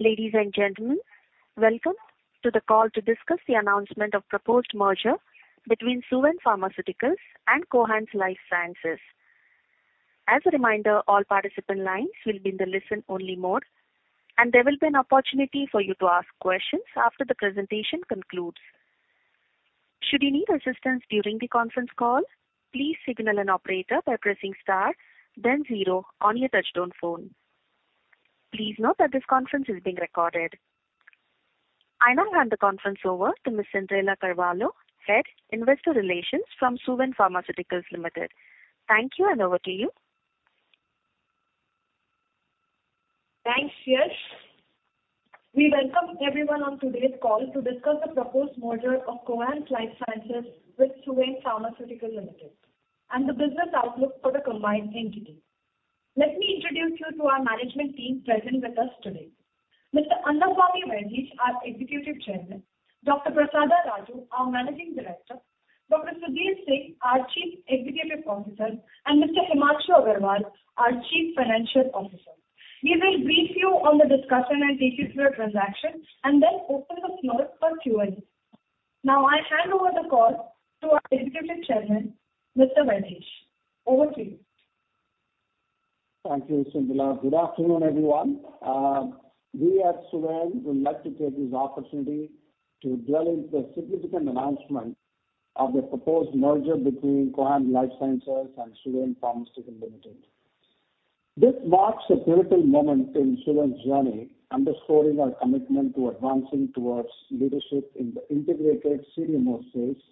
Ladies and gentlemen, welcome to the call to discuss the announcement of proposed merger between Suven Pharmaceuticals and Cohance Lifesciences. As a reminder, all participant lines will be in the listen-only mode, and there will be an opportunity for you to ask questions after the presentation concludes. Should you need assistance during the conference call, please signal an operator by pressing star, then 0 on your touch-tone phone. Please note that this conference is being recorded. I now hand the conference over to Ms. Cyndrella Carvalho, Head Investor Relations from Suven Pharmaceuticals Limited. Thank you, and over to you. Thanks, Yash. We welcome everyone on today's call to discuss the proposed merger of Cohance Lifesciences with Suven Pharmaceuticals Limited, and the business outlook for the combined entity. Let me introduce you to our management team present with us today. Mr. Annaswamy Vaidheesh are Executive Chairman, Dr. Prasada Raju are Managing Director, Dr. Sudhir Singh are Chief Executive Officer, and Mr. Himanshu Agarwal are Chief Financial Officer. We will brief you on the discussion and take you through a transaction, and then open the floor for Q&A. Now I hand over the call to our Executive Chairman, Mr. Vaidheesh. Over to you. Thank you, Cyndrella. Good afternoon, everyone. We at Suven would like to take this opportunity to dwell into a significant announcement of the proposed merger between Cohance Lifesciences and Suven Pharmaceuticals Limited. This marks a pivotal moment in Suven's journey, underscoring our commitment to advancing towards leadership in the integrated CDMO space,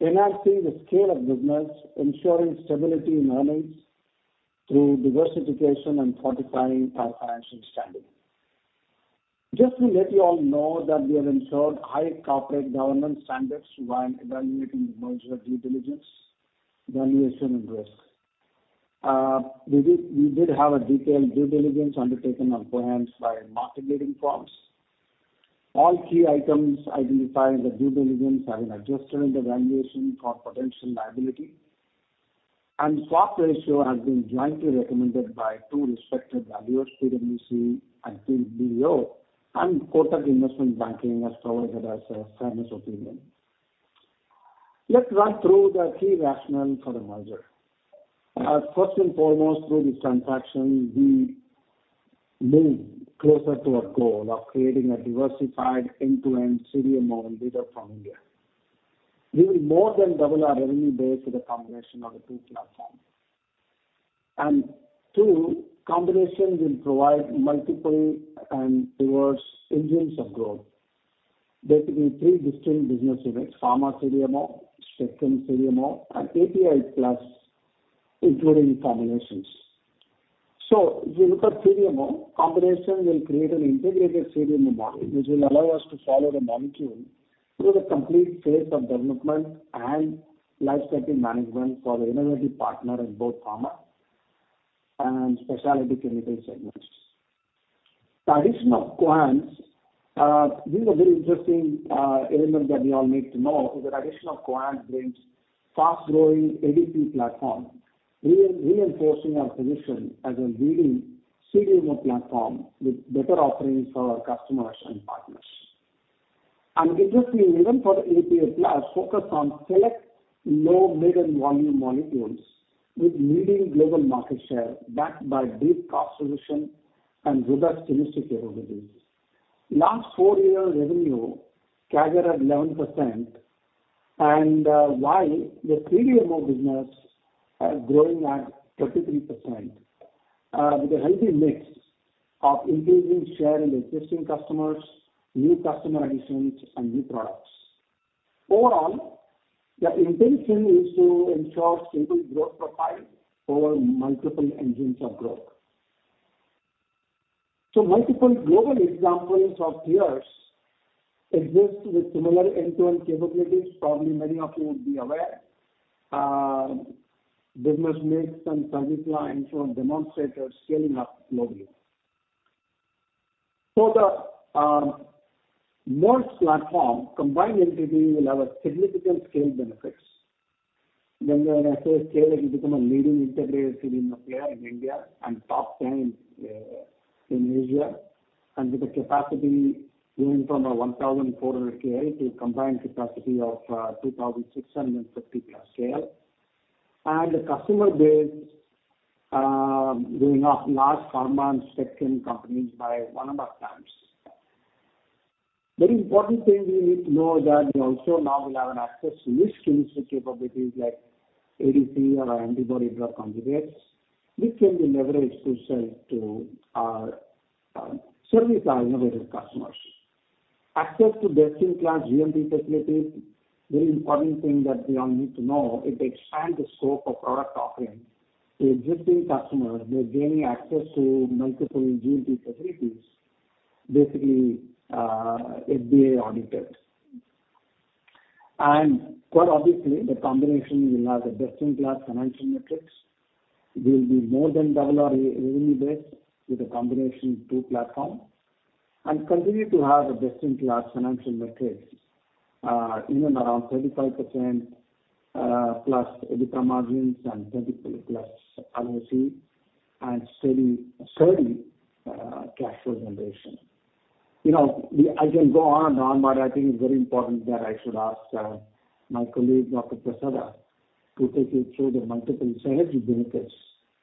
enhancing the scale of business, ensuring stability in earnings through diversification and fortifying our financial standing. Just to let you all know that we have ensured high corporate governance standards while evaluating the merger due diligence, valuation, and risk. We did have a detailed due diligence undertaken on Cohance by market leading firms. All key items identified in the due diligence have been adjusted in the valuation for potential liability, and the swap ratio has been jointly recommended by two respected valuers, PwC and BDO, and Kotak Investment Banking has provided us a fairness opinion. Let's run through the key rationale for the merger. First and foremost, through this transaction, we move closer to our goal of creating a diversified end-to-end CDMO leader from India. We will more than double our revenue base with a combination of the two platforms. And two, combination will provide multiple and diverse engines of growth, basically three distinct business units: pharma CDMO, Spec Chem CDMO, and API-plus including formulations. So if you look at CDMO, combination will create an integrated CDMO model which will allow us to follow the molecule through the complete phase of development and lifecycle management for the innovative partner in both pharma and specialty chemical segments. The addition of Cohance, this is a very interesting element that we all need to know is that addition of Cohance brings fast-growing ADC platform, reinforcing our position as a leading CDMO platform with better offerings for our customers and partners. An interesting event for the API-plus focus on select low-mid and volume molecules with leading global market share backed by deep cost position and robust domestic capabilities. Last four-year revenue carried at 11%, and while the CDMO business growing at 33%, with a healthy mix of increasing share in existing customers, new customer additions, and new products. Overall, the intention is to ensure stable growth profile over multiple engines of growth. So multiple global examples of tiers exist with similar end-to-end capabilities. Probably many of you would be aware. Business mix and service lines were demonstrated scaling up globally. For the merged platform, combined entity will have significant scale benefits. When I say scale, it will become a leading integrated CDMO player in India and top 10 in Asia, and with a capacity going from 1,400 KL to a combined capacity of 2,650+ KL, and a customer base of large pharma and Spec Chem companies by 1.5x. Very important thing we need to know is that we also now will have an access to niche chemistry capabilities like ADC or antibody-drug conjugates, which can be leveraged to sell to our serve our innovative customers. Access to best-in-class GMP facilities. Very important thing that we all need to know, it expands the scope of product offering to existing customers. They're gaining access to multiple GMP facilities, basically, FDA audited. Quite obviously, the combination will have a best-in-class financial metrics. We'll be more than double our revenue base with a combination two-platform and continue to have a best-in-class financial metrics, in and around 35%+ EBITDA margins and 30+ ROCE and steady, steady, cash flow generation. You know, we I can go on and on, but I think it's very important that I should ask, my colleague, Dr. Prasada, to take you through the multiple synergy benefits,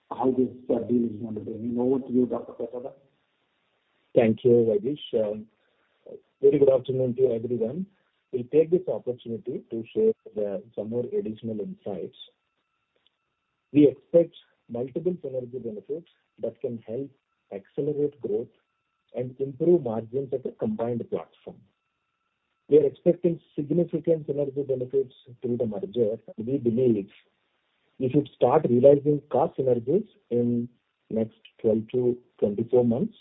how this, deal is going to bring. Over to you, Dr. Prasada. Thank you, Vaidheesh. Very good afternoon to everyone. We'll take this opportunity to share some more additional insights. We expect multiple synergy benefits that can help accelerate growth and improve margins at a combined platform. We are expecting significant synergy benefits through the merger, and we believe if you start realizing cost synergies in the next 12-24 months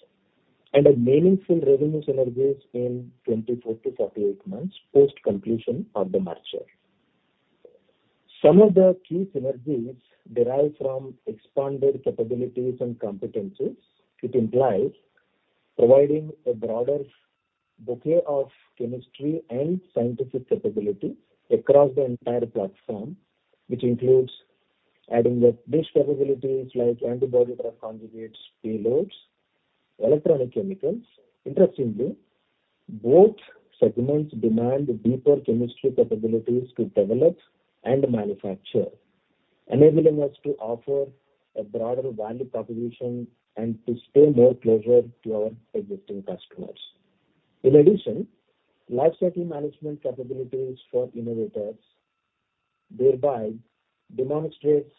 and a meaningful revenue synergies in 24 to 48 months post-completion of the merger. Some of the key synergies derive from expanded capabilities and competencies. It implies providing a broader bouquet of chemistry and scientific capabilities across the entire platform, which includes adding up niche capabilities like antibody drug conjugates, payloads, electronic chemicals. Interestingly, both segments demand deeper chemistry capabilities to develop and manufacture, enabling us to offer a broader value proposition and to stay more closer to our existing customers. In addition, lifecycle management capabilities for innovators, thereby demonstrates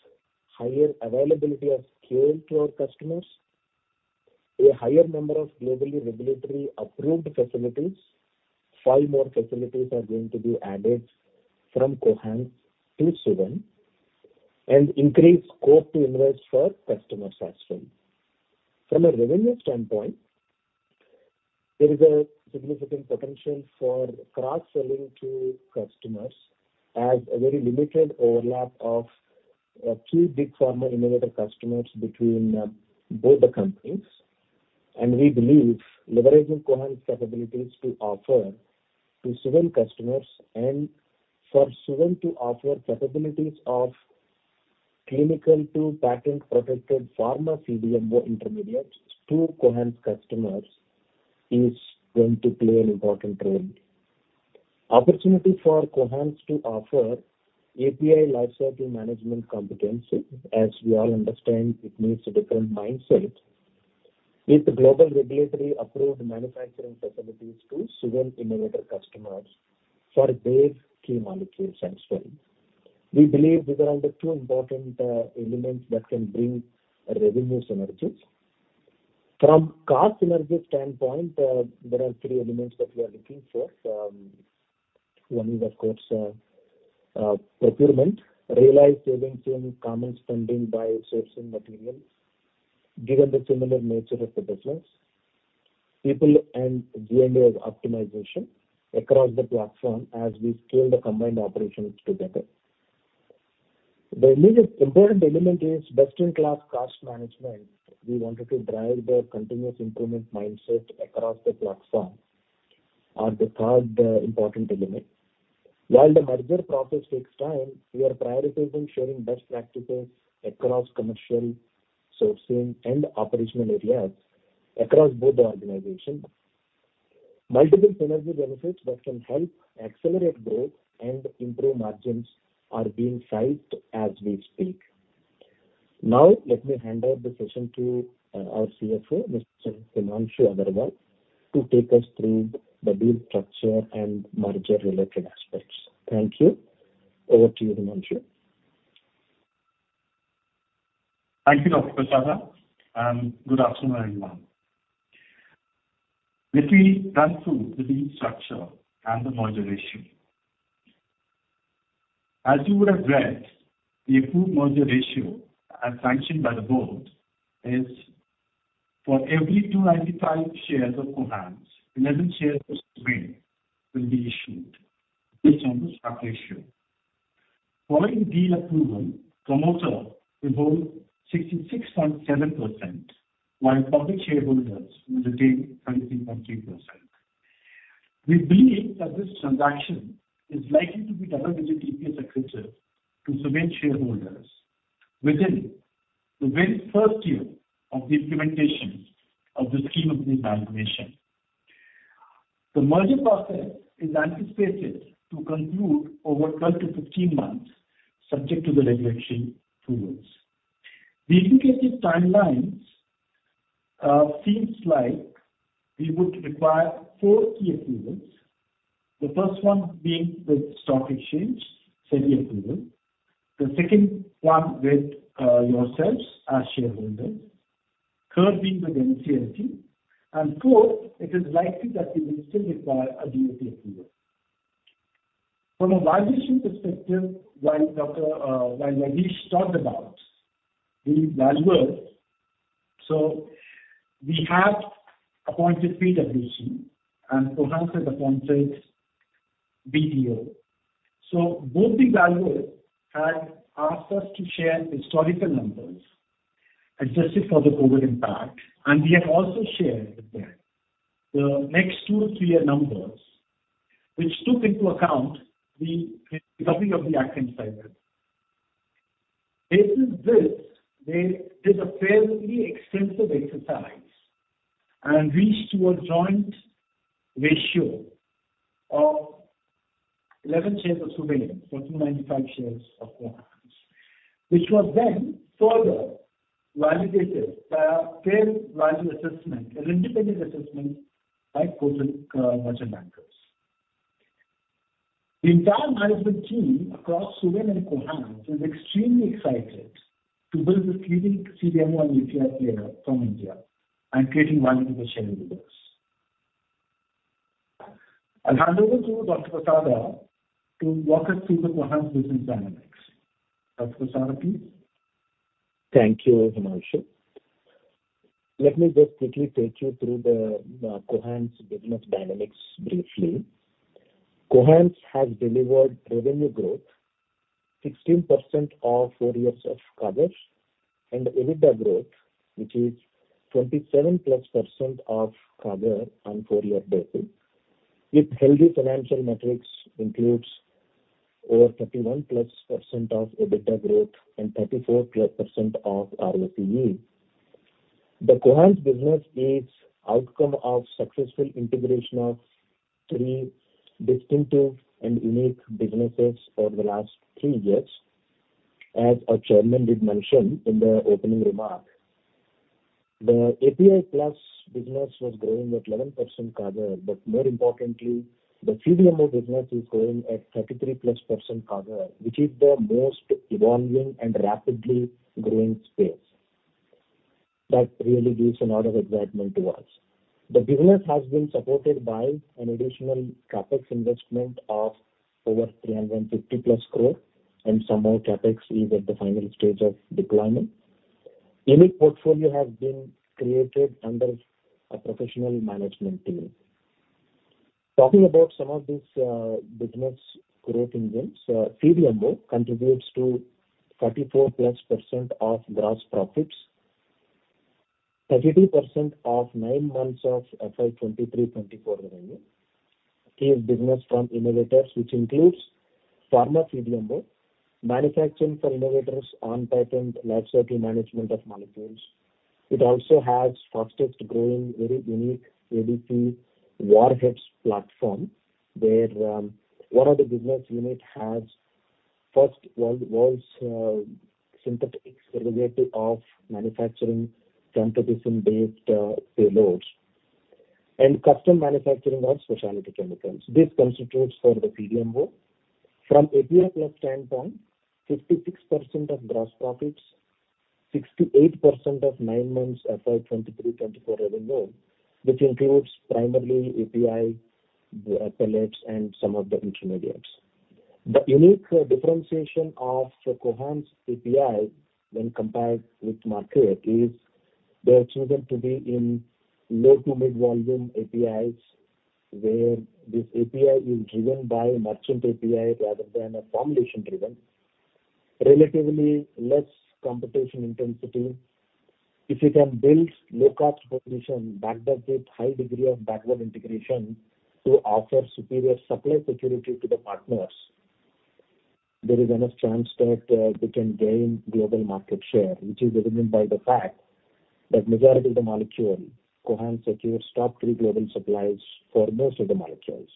higher availability of scale to our customers, a higher number of globally regulatory-approved facilities, five more facilities are going to be added from Cohance to Suven, and increased scope to invest for customers as well. From a revenue standpoint, there is a significant potential for cross-selling to customers as a very limited overlap of, key big pharma innovator customers between, both the companies. And we believe leveraging Cohance's capabilities to offer to Suven customers and for Suven to offer capabilities of clinical-to-patent-protected pharma CDMO intermediates to Cohance customers is going to play an important role. Opportunity for Cohance to offer API lifecycle management competency, as we all understand, it needs a different mindset with global regulatory-approved manufacturing facilities to Suven innovator customers for their key molecules as well. We believe these are the two important, elements that can bring revenue synergies. From cost synergies standpoint, there are three elements that we are looking for. One is, of course, procurement, realized savings in common spending by sourcing materials given the similar nature of the business, people and G&A optimization across the platform as we scale the combined operations together. The immediate important element is best-in-class cost management. We wanted to drive the continuous improvement mindset across the platform are the third, important element. While the merger process takes time, we are prioritizing sharing best practices across commercial sourcing and operational areas across both the organization. Multiple synergy benefits that can help accelerate growth and improve margins are being sized as we speak. Now, let me hand over the session to our CFO, Mr. Himanshu Agarwal, to take us through the deal structure and merger-related aspects. Thank you. Over to you, Himanshu. Thank you, Dr. Prasada. Good afternoon, everyone. Let me run through the deal structure and the merger ratio. As you would have read, the approved merger ratio as sanctioned by the board is for every 295 shares of Cohance, 11 shares of Suven will be issued based on the swap ratio. Following deal approval, promoter will hold 66.7%, while public shareholders will retain 33.3%. We believe that this transaction is likely to be double-digit EPS accredited to Suven shareholders within the very first year of the implementation of the scheme of this valuation. The merger process is anticipated to conclude over 12-15 months subject to the regulatory approvals. The indicative timelines seem like we would require four key approvals, the first one being with stock exchanges, SEBI approval, the second one with yourselves as shareholders, third being with NCLT, and fourth, it is likely that we will still require a DOT approval. From a valuation perspective, while Dr. V. Prasada Raju talked about the valuers. So we have appointed PwC, and Cohance has appointed BDO. So both the valuers had asked us to share historical numbers adjusted for the COVID impact, and we have also shared with them the next 2-3-year numbers, which took into account the recovery of the economic cycle. Based on this, they did a fairly extensive exercise and reached a joint ratio of 11 shares of Suven for 295 shares of Cohance, which was then further validated by a fair value assessment, an independent assessment by Kotak, merger bankers. The entire management team across Suven and Cohance is extremely excited to build this leading CDMO and API player from India and creating value to the shareholders. I'll hand over to Dr. Prasada to walk us through the Cohance business dynamics. Dr. Prasada, please. Thank you, Himanshu. Let me just quickly take you through the, Cohance business dynamics briefly. Cohance has delivered revenue growth, 16% of 4 years of CAGR, and EBITDA growth, which is 27%+ of CAGR on 4-year basis. With healthy financial metrics includes over 31%+ of EBITDA growth and 34%+ of ROCE. The Cohance business is the outcome of successful integration of three distinctive and unique businesses over the last 3 years. As our chairman did mention in the opening remark, the API-plus business was growing at 11% CAGR, but more importantly, the CDMO business is growing at 33%+ CAGR, which is the most evolving and rapidly growing space. That really gives a lot of excitement to us. The business has been supported by an additional CapEx investment of over 350+ crore, and somehow CapEx is at the final stage of deployment. A unique portfolio has been created under a professional management team. Talking about some of these business growth engines, CDMO contributes to 34%+ of gross profits. 32% of nine months of FY 2023/2024 revenue is business from innovators, which includes pharma CDMO, manufacturing for innovators on patent lifecycle management of molecules. It also has fastest growing, very unique ADC Warheads platform where one of the business units has first-world, world's, synthetic derivative of manufacturing maytansinoid-based payloads and custom manufacturing of specialty chemicals. This constitutes for the CDMO. From API-plus standpoint, 56% of gross profits, 68% of nine months FY 2023/2024 revenue, which includes primarily API, pellets, and some of the intermediates. The unique differentiation of Cohance's API when compared with the market is they have chosen to be in low- to mid-volume APIs where this API is driven by merchant API rather than a formulation-driven, relatively less competition intensity. If you can build low-cost position backed up with a high degree of backward integration to offer superior supply security to the partners, there is enough chance that they can gain global market share, which is evident by the fact that the majority of the molecules, Cohance secures top three global supplies for most of the molecules.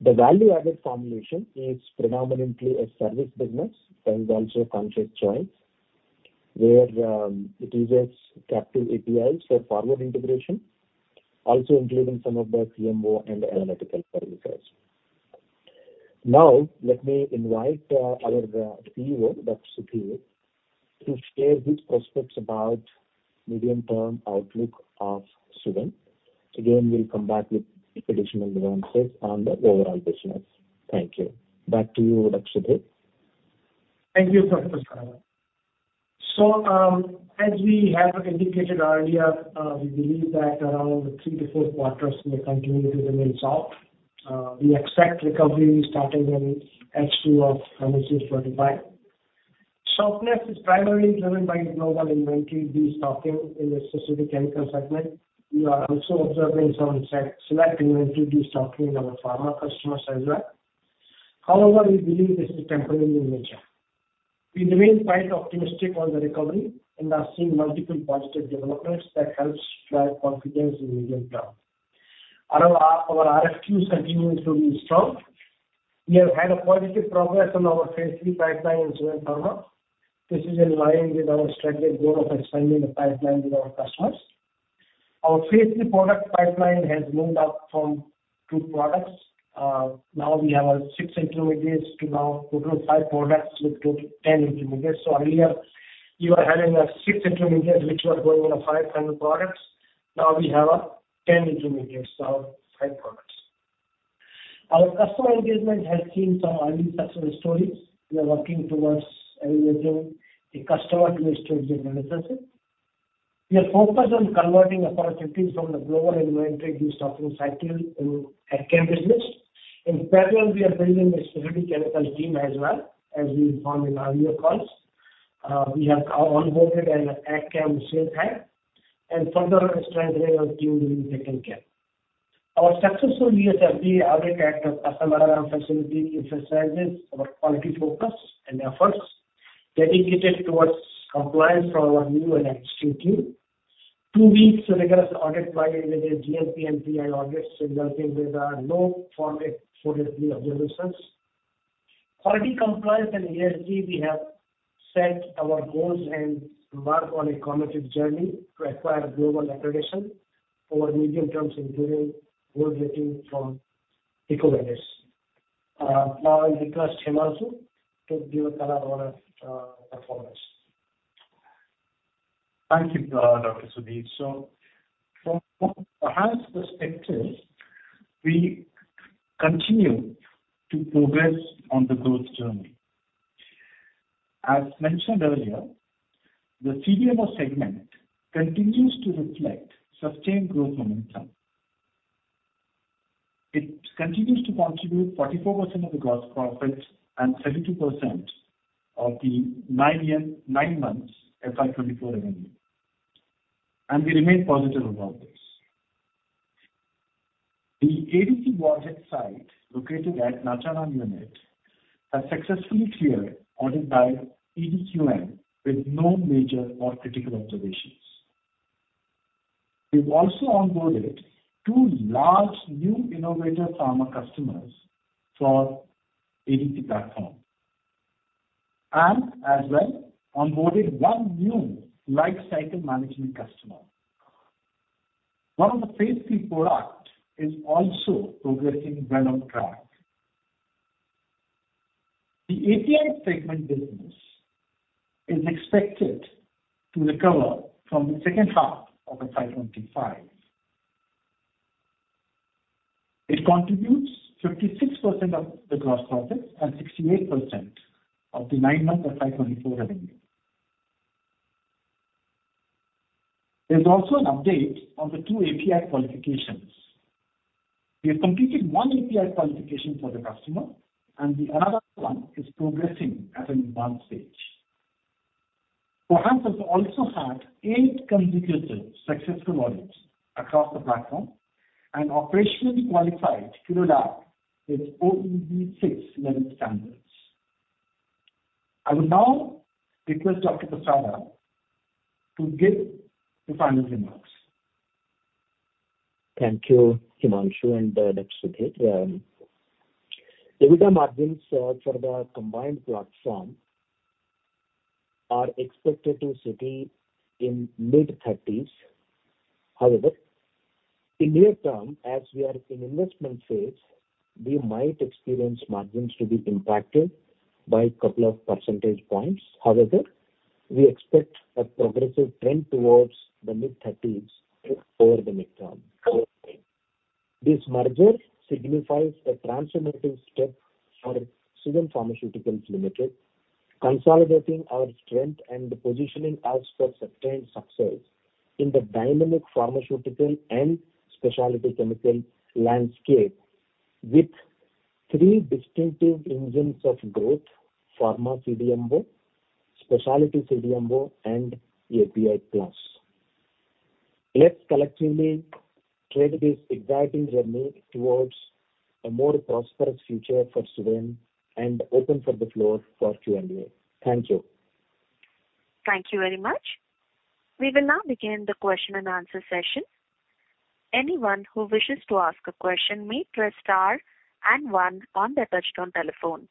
The value-added formulation is predominantly a service business. That is also a conscious choice where it uses captive APIs for forward integration, also including some of the CMO and analytical services. Now, let me invite our CEO, Dr. Sudhir, to share his prospects about the medium-term outlook of Suven. Again, we'll come back with additional nuances on the overall business. Thank you. Back to you, Dr. Sudhir. Thank you, Dr. Prasada. So, as we have indicated earlier, we believe that around 3-4 quarters will continue to remain soft. We expect recovery starting in H2 of 2025. Softness is primarily driven by global inventory destocking in the specific chemical segment. We are also observing some select inventory destocking in our pharma customers as well. However, we believe this is temporary in nature. We remain quite optimistic on the recovery and are seeing multiple positive developments that help drive confidence in the medium term. Our RFQs continue to be strong. We have had a positive progress on our Phase III pipeline in Suven Pharma. This is in line with our strategic goal of expanding the pipeline with our customers. Our Phase III product pipeline has moved up from 2 products. Now we have 6 intermediates to now total 5 products with total 10 intermediates. So earlier, we were having 6 intermediates, which were going on 500 products. Now we have 10 intermediates out of 5 products. Our customer engagement has seen some early success stories. We are working towards elevating a customer-to-estate relationship. We are focused on converting opportunities from the global inventory destocking cycle in Ag Chem business. In parallel, we are building a specialty chemical team as well, as we informed in our video calls. We have onboarded an Ag Chem sales head and further strengthening our team within Ag Chem. Our successful USFDA audit at our custom RRM facility emphasizes our quality focus and efforts dedicated towards compliance from our new and existing team. 2 weeks' rigorous audit by the GMP and API audits resulting with a low number for the 3 observations. Quality compliance and ESG, we have set our goals and embarked on a committed journey to acquire global accreditation over medium terms, including gold rating from EcoVadis. Now I'll request Himanshu to give a color on our performance. Thank you, Dr. Sudhir. So from Cohance's perspective, we continue to progress on the growth journey. As mentioned earlier, the CDMO segment continues to reflect sustained growth momentum. It continues to contribute 44% of the gross profit and 32% of the nine months FY 2024 revenue. And we remain positive about this. The ADC Warheads site located at Nacharam Unit has successfully cleared audit by EDQM with no major or critical observations. We've also onboarded two large new innovator pharma customers for the ADC platform and as well onboarded one new life cycle management customer. One of the Phase III products is also progressing well on track. The API segment business is expected to recover from the second half of FY 2025. It contributes 56% of the gross profit and 68% of the nine-month FY 2024 revenue. There's also an update on the two API qualifications. We have completed one API qualification for the customer, and the another one is progressing at an advanced stage. Cohance has also had eight consecutive successful audits across the platform and operationally qualified kilolab with OEB6 level standards. I would now request Dr. Prasada to give the final remarks. Thank you, Himanshu and Dr. Sudhir. The EBITDA margins for the combined platform are expected to sit in the mid-30s%. However, in the near term, as we are in the investment phase, we might experience margins to be impacted by a couple of percentage points. However, we expect a progressive trend towards the mid-30s% over the midterm. This merger signifies a transformative step for Suven Pharmaceuticals Limited, consolidating our strength and positioning as for sustained success in the dynamic pharmaceutical and specialty chemical landscape with three distinctive engines of growth: pharma CDMO, specialty CDMO, and API Plus. Let's collectively tread this exciting journey towards a more prosperous future for Suven and open the floor for Q&A. Thank you. Thank you very much. We will now begin the question-and-answer session. Anyone who wishes to ask a question may press star and one on their touch-tone telephone.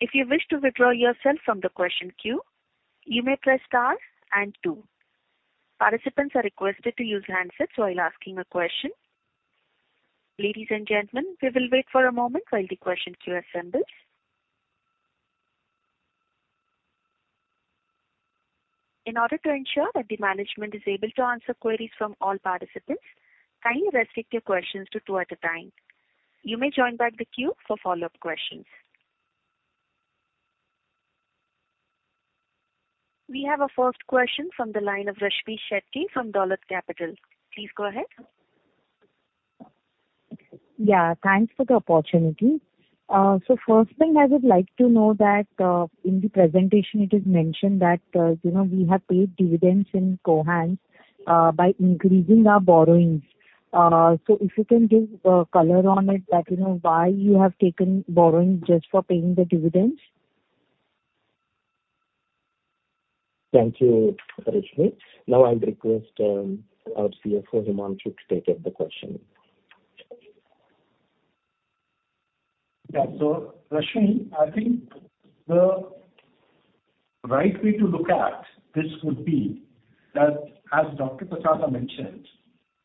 If you wish to withdraw yourself from the question queue, you may press star and two. Participants are requested to use handsets while asking a question. Ladies and gentlemen, we will wait for a moment while the question queue assembles. In order to ensure that the management is able to answer queries from all participants, kindly restrict your questions to two at a time. You may join back the queue for follow-up questions. We have a first question from the line of Rashmi Shetty from Dolat Capital. Please go ahead. Yeah. Thanks for the opportunity. So first thing, I would like to know that, in the presentation, it is mentioned that, you know, we have paid dividends in Cohance, by increasing our borrowings. So if you can give color on it that, you know, why you have taken borrowings just for paying the dividends. Thank you, Rashmi. Now I'll request our CFO, Himanshu, to take up the question. Yeah. So, Rashmi, I think the right way to look at this would be that, as Dr. Prasada mentioned,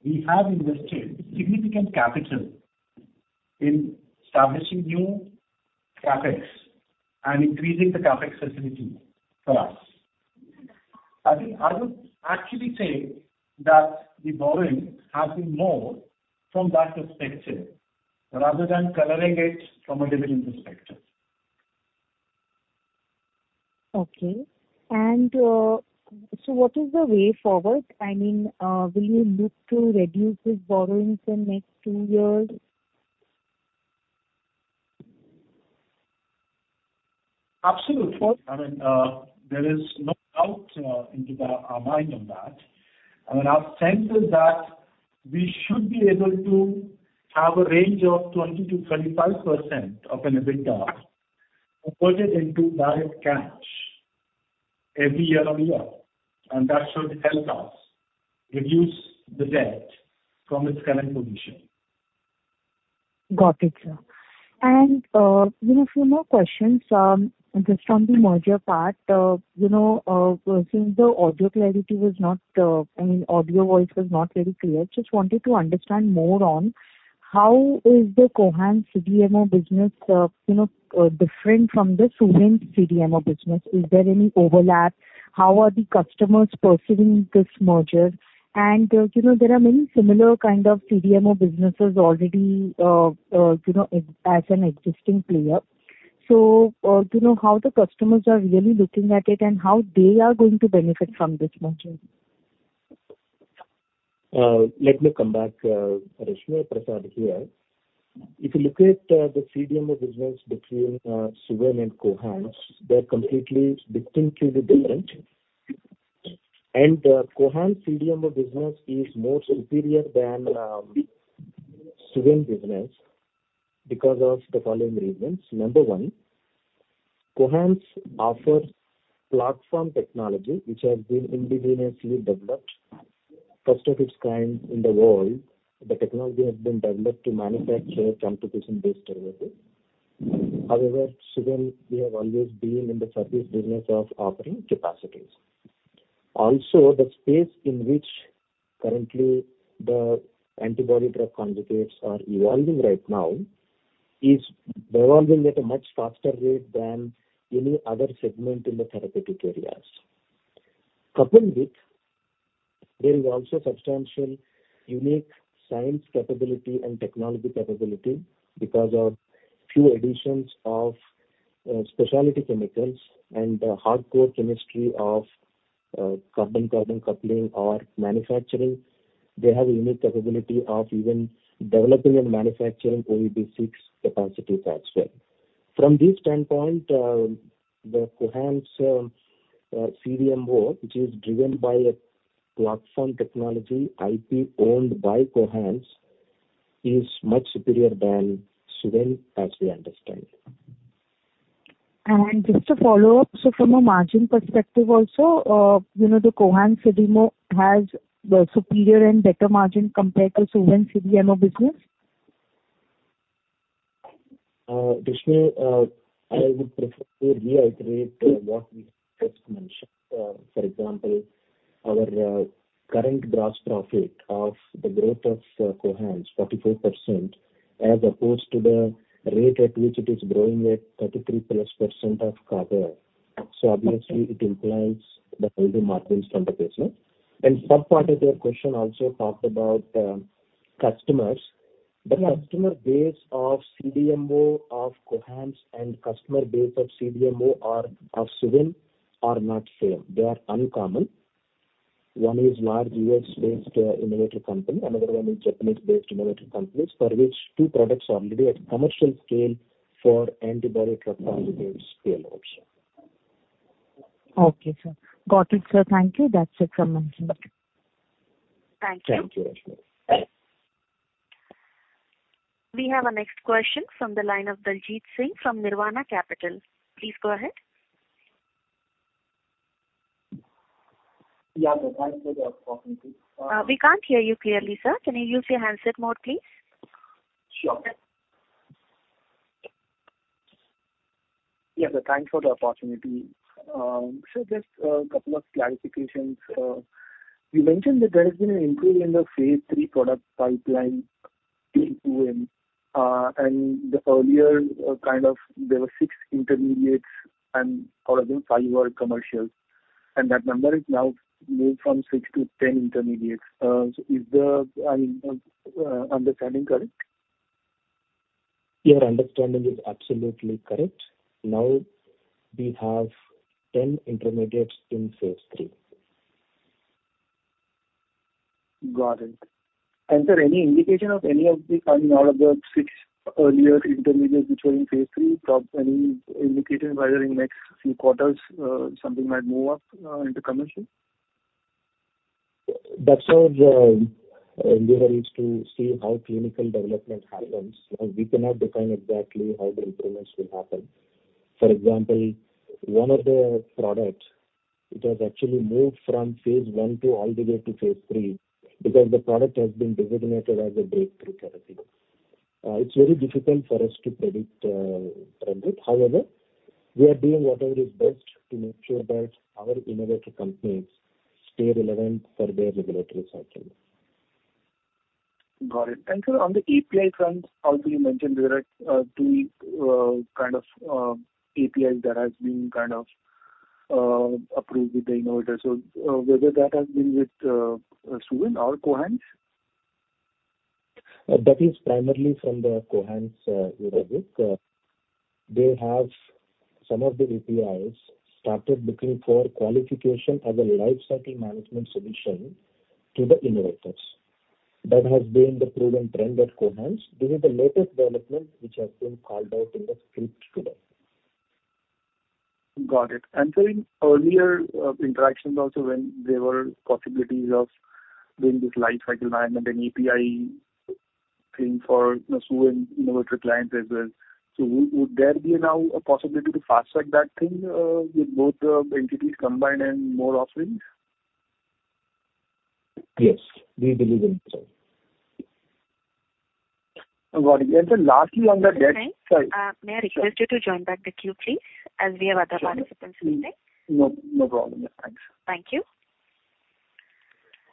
we have invested significant capital in establishing new CapEx and increasing the CapEx facility for us. I think I would actually say that the borrowing has been more from that perspective rather than coloring it from a dividend perspective. Okay. So, what is the way forward? I mean, will you look to reduce these borrowings in the next two years? Absolutely. I mean, there is no doubt in our mind on that. I mean, our sense is that we should be able to have a range of 20%-35% of an EBITDA converted into direct cash every year on year. And that should help us reduce the debt from its current position. Got it, sir. And, you know, a few more questions, just on the merger part. You know, since the audio clarity was not, I mean, audio voice was not very clear, just wanted to understand more on how is the Cohance CDMO business, you know, different from the Suven CDMO business? Is there any overlap? How are the customers perceiving this merger? And, you know, there are many similar kind of CDMO businesses already, you know, e.g., as an existing player. So, you know, how the customers are really looking at it and how they are going to benefit from this merger? Let me come back, Rashmi or Prasad here. If you look at the CDMO business between Suven and Cohance, they're completely distinctly different. And Cohance CDMO business is more superior than Suven business because of the following reasons. Number one, Cohance offers platform technology, which has been ingeniously developed, first of its kind in the world. The technology has been developed to manufacture phosgene-based derivatives. However, Suven, we have always been in the service business of offering capacities. Also, the space in which currently the antibody-drug conjugates are evolving right now is evolving at a much faster rate than any other segment in the therapeutic areas. Coupled with, there is also substantial unique science capability and technology capability because of few additions of specialty chemicals and the hardcore chemistry of carbon-carbon coupling or manufacturing. They have a unique capability of even developing and manufacturing OEB6 capacities as well. From this standpoint, the Cohance CDMO, which is driven by a platform technology, IP owned by Cohance, is much superior than Suven, as we understand. Just to follow up, so from a margin perspective also, you know, the Cohance CDMO has a superior and better margin compared to Suven CDMO business? Rashmi, I would prefer to reiterate what we just mentioned. For example, our current gross profit growth of Cohance, 44%, as opposed to the rate at which it is growing at 33%+ CAGR. So obviously, it implies the healthy margins from the business. And subpart of your question also talked about customers. The customer base of CDMO of Cohance and customer base of CDMO of Suven are not same. They are uncommon. One is large US-based innovator company. Another one is Japanese-based innovator companies for which two products already at commercial scale for antibody-drug conjugates scale also. Okay, sir. Got it, sir. Thank you. That's it from my side. Thank you. Thank you, Rashmi. We have a next question from the line of Darshit Shah from Nirvana Capital. Please go ahead. Yeah, sir. Thanks for the opportunity. We can't hear you clearly, sir. Can you use your handset mode, please? Sure. Yes, sir. Thanks for the opportunity. Sir, just a couple of clarifications. You mentioned that there has been an improvement in the Phase III product pipeline to Q&A. And earlier, kind of, there were 6 intermediates, and or again, 5 were commercial. And that number has now moved from 6 to 10 intermediates. So is the, I mean, understanding correct? Your understanding is absolutely correct. Now we have 10 intermediates in phase III. Got it. And, sir, any indication of any of the—I mean, all of the six earlier intermediates which were in phase III? Probably—I mean, indication whether in the next few quarters, something might move up into commercial? That's our leverage to see how clinical development happens. Now, we cannot define exactly how the improvements will happen. For example, one of the products, it has actually moved from phase I to all the way to phase III because the product has been designated as a breakthrough therapy. It's very difficult for us to predict, Rashmi. However, we are doing whatever is best to make sure that our innovator companies stay relevant for their regulatory cycle. Got it. And, sir, on the API front, also, you mentioned there are 2 kind of APIs that have been kind of approved with the innovator. So, whether that has been with Suven or Cohance? That is primarily from the Cohance innovator. They have some of the APIs started looking for qualification as a life cycle management solution to the innovators. That has been the proven trend at Cohance. This is the latest development which has been called out in the script today. Got it. And, sir, in earlier interactions also, when there were possibilities of doing this lifecycle management and API thing for, you know, Suven innovator clients as well. So would there be now a possibility to fast-track that thing, with both entities combined and more offerings? Yes. We believe in it, sir. Got it. And, sir, lastly, on that. Sorry. May I request you to join back the queue, please, as we have other participants waiting? No, no, no problem. Yes. Thanks. Thank you.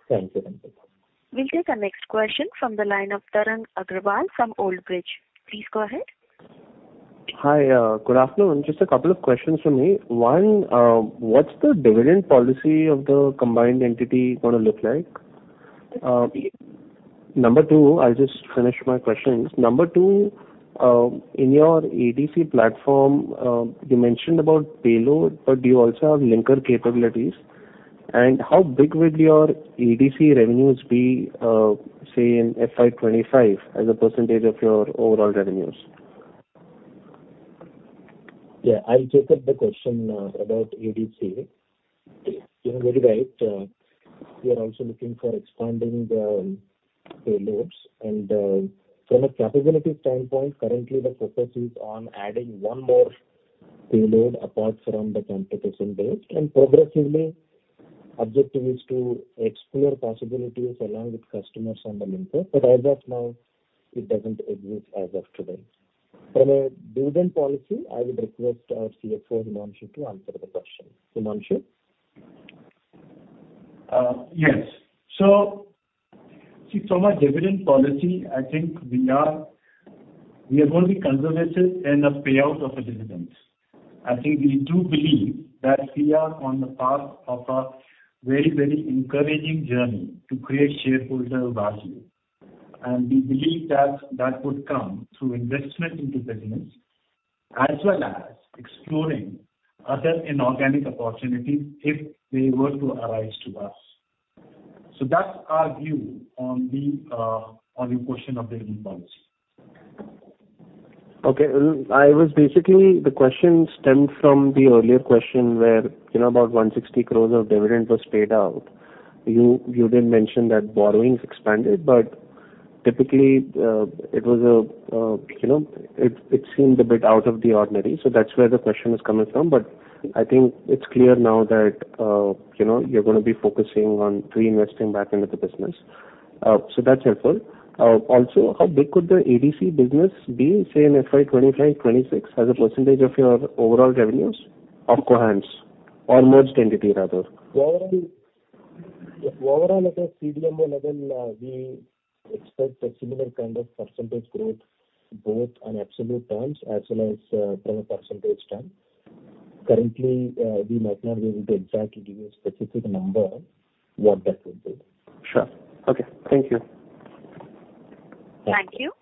Thank you. We'll take a next question from the line of Tarang Agrawal from Old Bridge. Please go ahead. Hi. Good afternoon. Just a couple of questions from me. One, what's the dividend policy of the combined entity gonna look like? Number two, I'll just finish my questions. Number two, in your ADC platform, you mentioned about payload, but do you also have linker capabilities? And how big would your ADC revenues be, say, in FY25 as a percentage of your overall revenues? Yeah. I'll take up the question about ADC. You know, you're right. We are also looking for expanding payloads. And from a capability standpoint, currently, the focus is on adding one more payload apart from the maytansinoid-based. And progressively, the objective is to explore possibilities along with customers on the linker. But as of now, it doesn't exist as of today. From a dividend policy, I would request our CFO, Himanshu, to answer the question. Himanshu? Yes. So, see, from a dividend policy, I think we are gonna be conservative in the payout of a dividend. I think we do believe that we are on the path of a very, very encouraging journey to create shareholder value. And we believe that that would come through investment into business as well as exploring other inorganic opportunities if they were to arise to us. So that's our view on the, on your question of dividend policy. Okay. Well, I was basically the question stemmed from the earlier question where, you know, about 160 crore of dividend was paid out. You, you did mention that borrowings expanded. But typically, it was a, you know, it, it seemed a bit out of the ordinary. So that's where the question is coming from. But I think it's clear now that, you know, you're gonna be focusing on reinvesting back into the business. So that's helpful. Also, how big could the EDC business be, say, in FY25/26 as a percentage of your overall revenues of Cohance or merged entity, rather? Overall, overall at a CDMO level, we expect a similar kind of percentage growth both on absolute terms as well as, from a percentage term. Currently, we might not be able to exactly give you a specific number what that would be. Sure. Okay. Thank you. Thank you.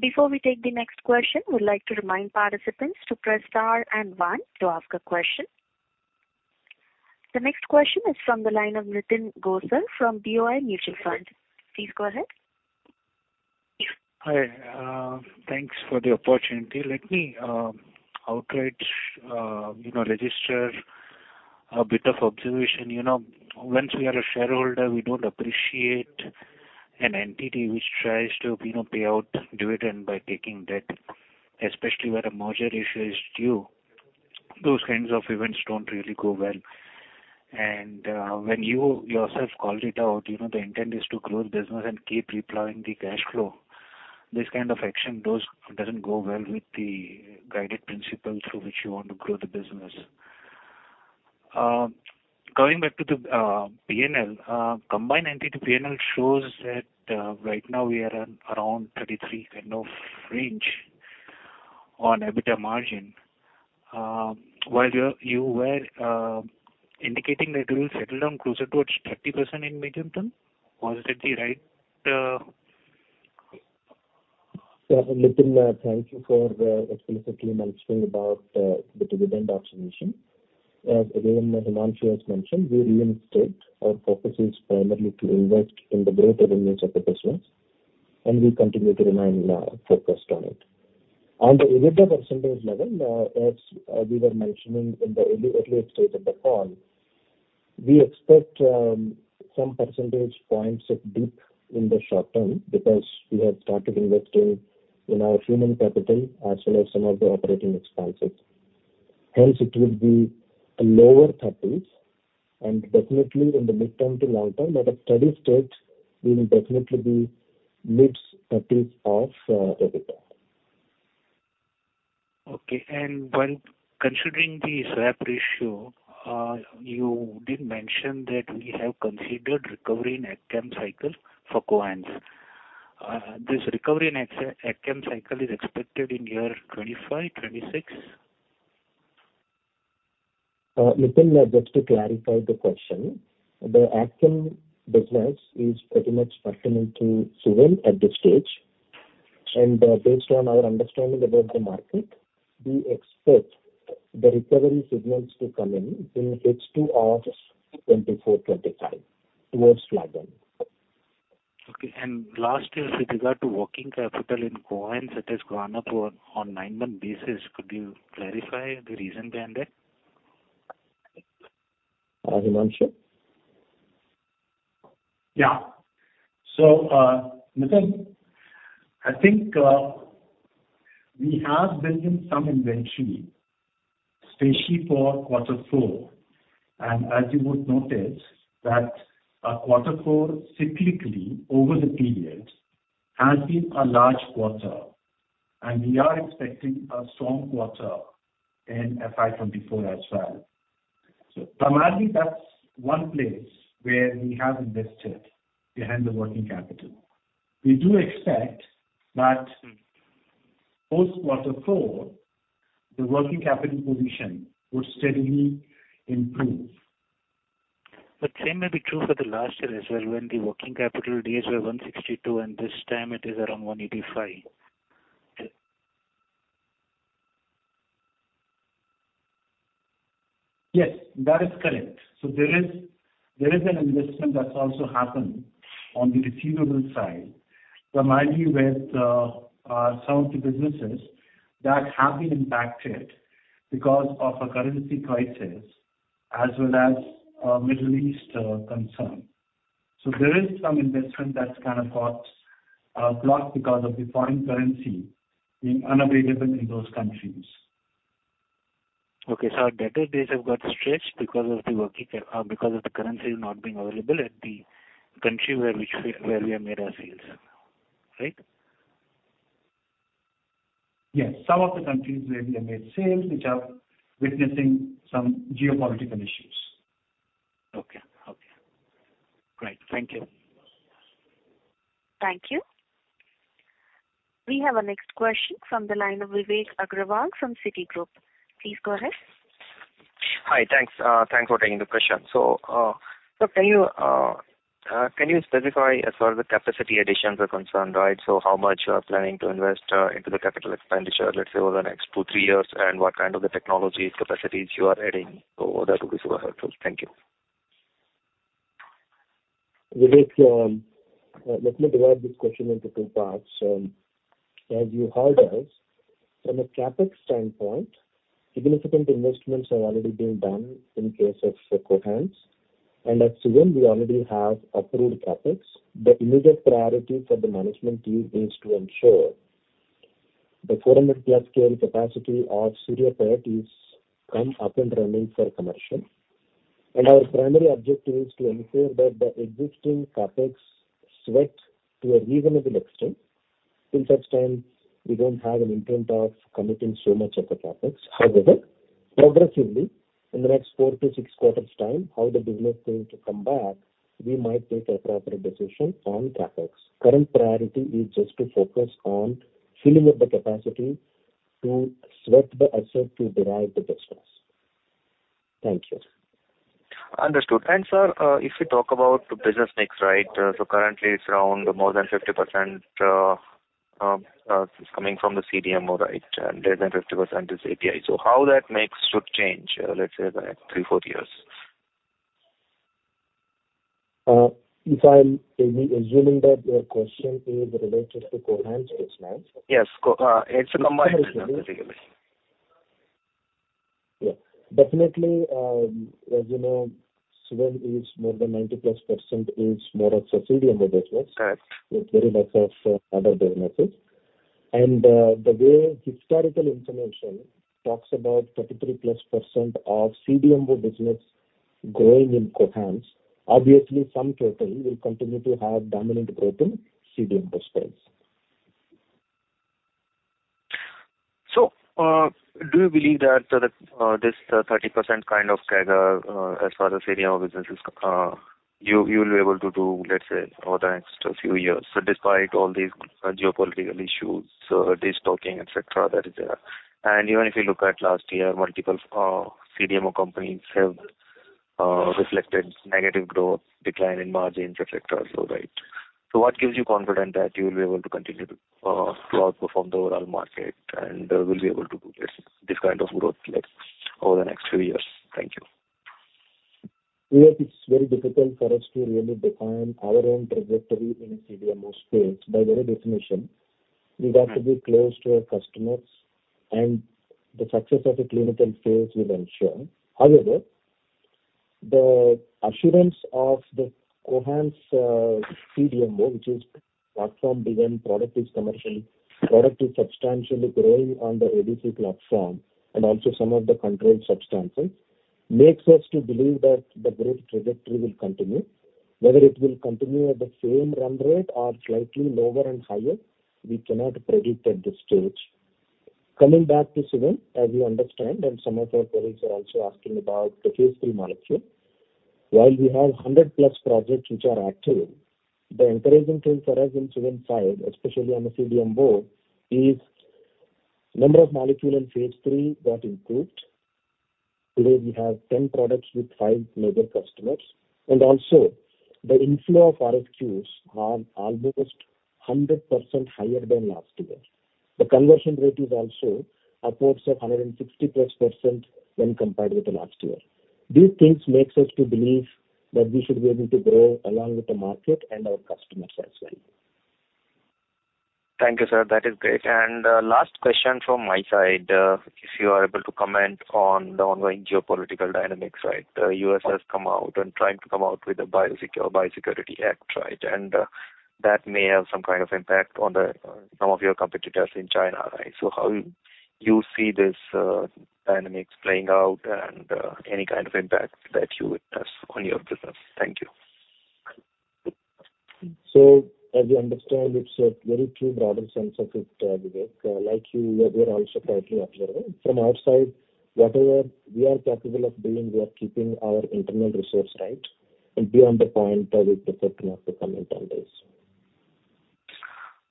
Before we take the next question, we'd like to remind participants to press star and one to ask a question. The next question is from the line of Nitin Gosar from BOI Mutual Fund. Please go ahead. Hi. Thanks for the opportunity. Let me outright, you know, register a bit of observation. You know, once we are a shareholder, we don't appreciate an entity which tries to, you know, pay out dividend by taking debt, especially where a merger issue is due. Those kinds of events don't really go well. And when you yourself called it out, you know, the intent is to grow the business and keep replaying the cash flow. This kind of action doesn't go well with the guided principle through which you want to grow the business. Going back to the P&L, combined entity P&L shows that right now we are on around 33% kind of range on EBITDA margin. While you were indicating that it will settle down closer towards 30% in medium term, was that the right? Sir, Nitin, thank you for explicitly mentioning about the dividend observation. As again, Himanshu has mentioned, we reinstated our focuses primarily to invest in the growth revenues of the business. And we continue to remain focused on it. On the EBITDA percentage level, as we were mentioning in the early, early stage of the call, we expect some percentage points of dip in the short term because we have started investing in our human capital as well as some of the operating expenses. Hence, it would be a lower 30s%. And definitely, in the midterm to long term, at a steady state, we will definitely be mid-30s% of EBITDA. Okay. And when considering the swap ratio, you did mention that we have considered recovery in ACCM cycle for Cohance. This recovery in ACCM cycle is expected in 2025, 2026? Nitin, just to clarify the question, the ACCM business is pretty much pertinent to Suven at this stage. Based on our understanding about the market, we expect the recovery signals to come in in H2 of 2024/25 towards flagging. Okay. And last year, with regard to working capital in Cohance that has grown up on nine-month basis, could you clarify the reason behind that? Himanshu? Yeah. So, Nitin, I think, we have built in some inventory, especially for quarter four. And as you would notice, that, quarter four cyclically over the period has been a large quarter. And we are expecting a strong quarter in FY 2024 as well. So primarily, that's one place where we have invested behind the working capital. We do expect that. Post-quarter four, the working capital position would steadily improve. Same may be true for the last year as well when the working capital days were 162. This time, it is around 185. Yes. That is correct. So there is an investment that's also happened on the receivable side, primarily with some of the businesses that have been impacted because of a currency crisis as well as Middle East concern. So there is some investment that's kind of got blocked because of the foreign currency being unavailable in those countries. Okay. So our debtor days have got stretched because of the working capital because of the currency not being available at the country where we have made our sales, right? Yes. Some of the countries where we have made sales which are witnessing some geopolitical issues. Okay. Okay. Great. Thank you. Thank you. We have a next question from the line of Vivek Agarwal from Citigroup. Please go ahead. Hi. Thanks. Thanks for taking the question. So, sir, can you specify as far as the capacity additions are concerned, right? So how much you are planning to invest into the capital expenditure, let's say, over the next 2-3 years, and what kind of the technologies, capacities you are adding. So that would be super helpful. Thank you. Vivek, let me divide this question into two parts. As you heard us, from a CapEx standpoint, significant investments are already being done in case of Cohance. At Suven, we already have approved CapEx. The immediate priority for the management team is to ensure the 400+ scale capacity of Suryapet is come up and running for commercial. Our primary objective is to ensure that the existing CapEx sweat to a reasonable extent. In such times, we don't have an intent of committing so much of the CapEx. However, progressively, in the next 4 to 6 quarters' time, how the business is to come back, we might take a proper decision on CapEx. Current priority is just to focus on filling up the capacity to sweat the asset to derive the business. Thank you. Understood. Sir, if we talk about business mix, right, so currently, it's around more than 50% is coming from the CDMO, right? And less than 50% is API. So how that mix should change, let's say, in the next three, four years? If I'm maybe assuming that your question is related to Cohance business. Yes. Cohance, it's a combined business, basically. Yeah. Definitely, as you know, Suven is more than 90+% is more of a CDMO business. Correct. With very lots of other businesses. The way historical information talks about 33%+ of CDMO business growing in Cohance, obviously, some total will continue to have dominant growth in CDMO space. So, do you believe that this 30% kind of CAGR, as far as the CDMO business is concerned, you will be able to do, let's say, over the next few years? So despite all these geopolitical issues, distocking, etc., that is there. And even if you look at last year, multiple CDMO companies have reflected negative growth, decline in margins, etc., so, right? So what gives you confidence that you will be able to continue to outperform the overall market and will be able to do, let's say, this kind of growth, like, over the next few years? Thank you. Vivek, it's very difficult for us to really define our own trajectory in a CDMO space. By very definition, we got to be close to our customers. And the success of a clinical phase will ensure. However, the assurance of the Cohance CDMO, which is platform-driven product is commercially product is substantially growing on the ADC platform and also some of the controlled substances, makes us to believe that the growth trajectory will continue. Whether it will continue at the same run rate or slightly lower and higher, we cannot predict at this stage. Coming back to Suven, as you understand, and some of your colleagues are also asking about the phase 3 molecule, while we have 100+ projects which are active, the encouraging thing for us in Suven side, especially on the CDMO, is number of molecule in phase 3 got improved. Today, we have 10 products with 5 major customers. Also, the inflow of RFQs are almost 100% higher than last year. The conversion rate is also upwards of 160+% when compared with the last year. These things make us to believe that we should be able to grow along with the market and our customers as well. Thank you, sir. That is great. And last question from my side, if you are able to comment on the ongoing geopolitical dynamics, right? The U.S. has come out and tried to come out with a BIOSECURE Act, right? And that may have some kind of impact on some of your competitors in China, right? So how you see this dynamics playing out and any kind of impact that you witness on your business? Thank you. As you understand, it's a very true broader sense of it, Vivek. Like you, we are also currently observing. From our side, whatever we are capable of doing, we are keeping our internal resource right. And beyond the point, we prefer to not to comment on this.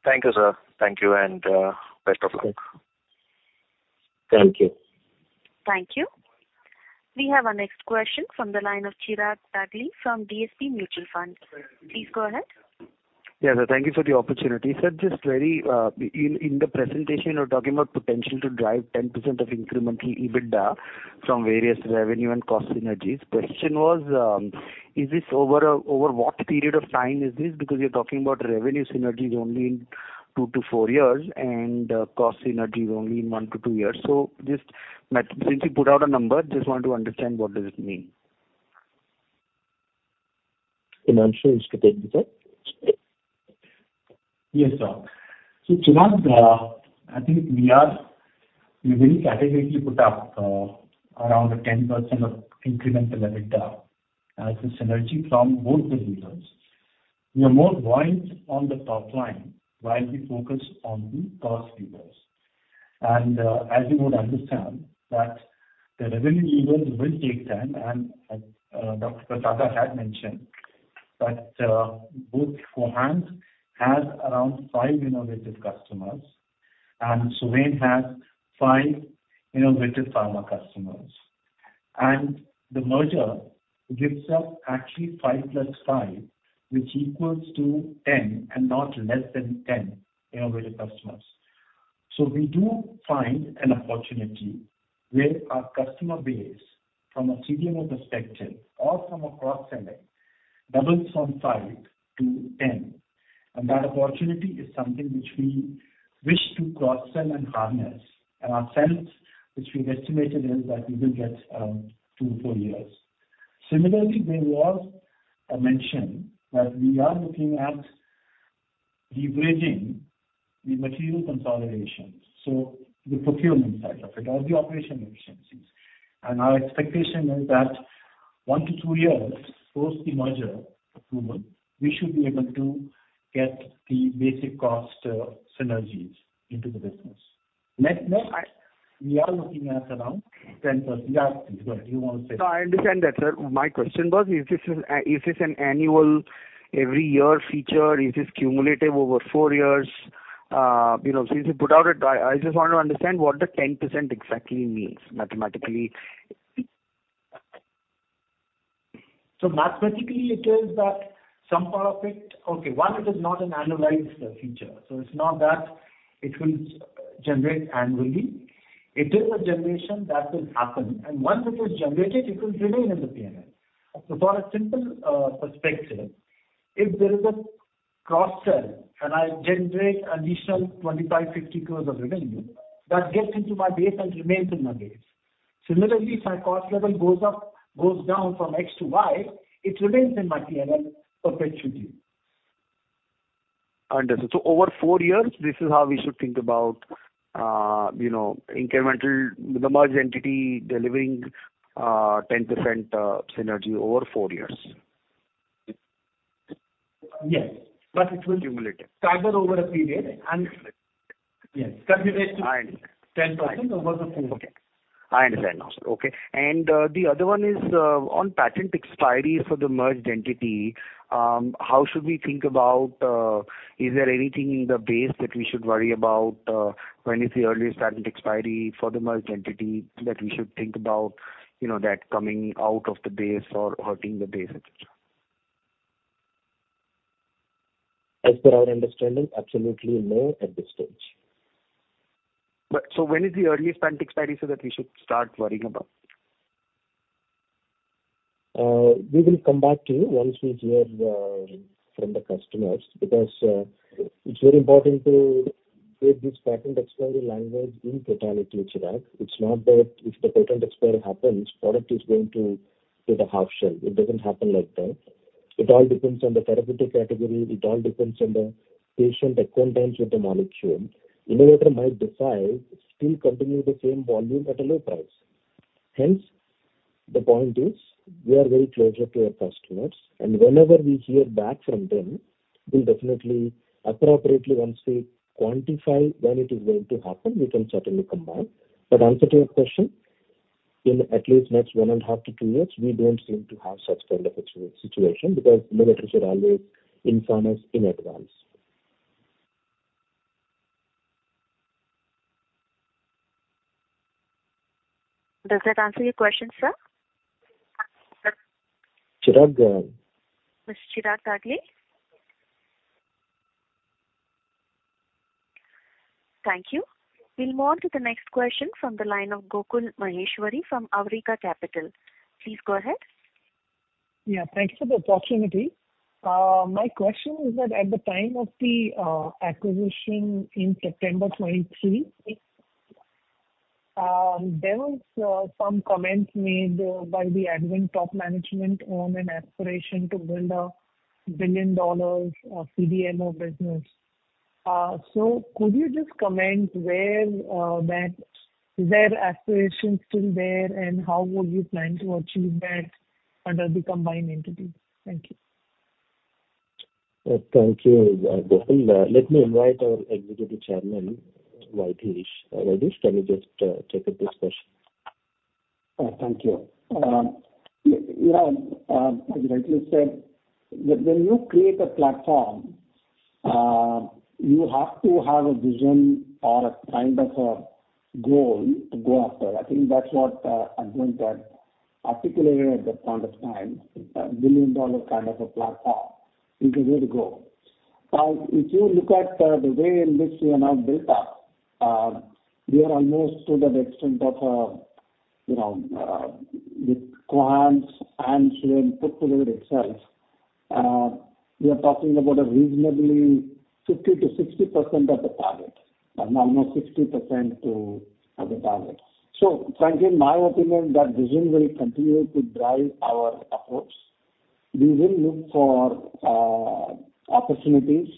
Thank you, sir. Thank you. Best of luck. Thank you. Thank you. We have a next question from the line of Chirag Dagli from DSP Mutual Fund. Please go ahead. Yeah, sir. Thank you for the opportunity. Sir, just in the presentation, you're talking about potential to drive 10% of incremental EBITDA from various revenue and cost synergies. Question was, is this over what period of time is this? Because you're talking about revenue synergies only in 2-4 years and, cost synergies only in 1-2 years. So just me since you put out a number, just want to understand what does it mean. Himanshu, could they repeat that? Yes, sir. So Chirag, I think we are very categorically put up around 10% of incremental EBITDA as a synergy from both the levers. We are more void on the top line while we focus on the cost levers. And, as you would understand, that the revenue levers will take time. And as, Dr. Prasada had mentioned, that, both Cohance has around five innovative customers. And Suven has five innovative pharma customers. And the merger gives us actually 5 + 5, which equals to 10 and not less than 10 innovative customers. So we do find an opportunity where our customer base from a CDMO perspective or from a cross-selling doubles from 5 to 10. And that opportunity is something which we wish to cross-sell and harness. And our sense, which we've estimated, is that we will get 2-4 years. Similarly, Vivek was mentioning that we are looking at leveraging the material consolidation, so the procurement side of it or the operation efficiencies. Our expectation is that 1-2 years post the merger approval, we should be able to get the basic cost synergies into the business. Next, next. Sorry. We are looking at around 10%. Yeah, please. Go ahead. You don't want to say. No, I understand that, sir. My question was, is this an annual every year feature? Is this cumulative over four years? You know, since you put out it, I just want to understand what the 10% exactly means mathematically. So mathematically, it is that some part of it. Okay, one, it is not an annualized feature. So it's not that it will generate annually. It is a generation that will happen. And once it is generated, it will remain in the P&L. So for a simple perspective, if there is a cross-sell and I generate additional 25 crore-50 crore of revenue, that gets into my base and remains in my base. Similarly, if my cost level goes up goes down from X to Y, it remains in my P&L perpetually. I understand. So over four years, this is how we should think about, you know, incremental the merged entity delivering 10% synergy over four years. Yes. But it will. Cumulative. CAGR over a period. And yes. Is. Continue to. I understand. 10% over the 4. Okay. I understand now, sir. Okay. The other one is on patent expiry for the merged entity. How should we think about it? Is there anything in the base that we should worry about? When is the earliest patent expiry for the merged entity that we should think about, you know, that coming out of the base or hurting the base, etc.? As per our understanding, absolutely no at this stage. When is the earliest patent expiry so that we should start worrying about? We will come back to you once we hear from the customers because it's very important to take this patent expiry language in totality, Chirag. It's not that if the patent expiry happens, product is going to get a half shell. It doesn't happen like that. It all depends on the therapeutic category. It all depends on the patient acquaintance with the molecule. Innovator might decide still continue the same volume at a low price. Hence, the point is, we are very closer to our customers. Whenever we hear back from them, we'll definitely appropriately, once we quantify when it is going to happen, we can certainly come back. Answer to your question, in at least next 1.5 to 2 years, we don't seem to have such kind of a situation because innovators are always inform us in advance. Does that answer your question, sir? Chirag, Ms. Chirag Dagli? Thank you. We'll move on to the next question from the line of Gokul Maheshwari from Awriga Capital. Please go ahead. Yeah. Thank you for the opportunity. My question is that at the time of the acquisition in September 2023, there was some comments made by the Advent top management on an aspiration to build a billion-dollar CDMO business. Could you just comment whether that aspiration is still there, and how would you plan to achieve that under the combined entity? Thank you. Well, thank you, Gokul. Let me invite our Executive Chairman, Vaidheesh. Vaidheesh, can you just take up this question? Thank you. You know, as you rightly said, when you create a platform, you have to have a vision or a kind of a goal to go after. I think that's what Advent had articulated at that point of time, a billion-dollar kind of a platform is the way to go. If you look at the way in which we are now built up, we are almost to that extent of a, you know, with Cohance and Suven put together itself, we are talking about a reasonably 50%-60% of the target and almost 60% of the target. So frankly, in my opinion, that vision will continue to drive our approach. We will look for opportunities,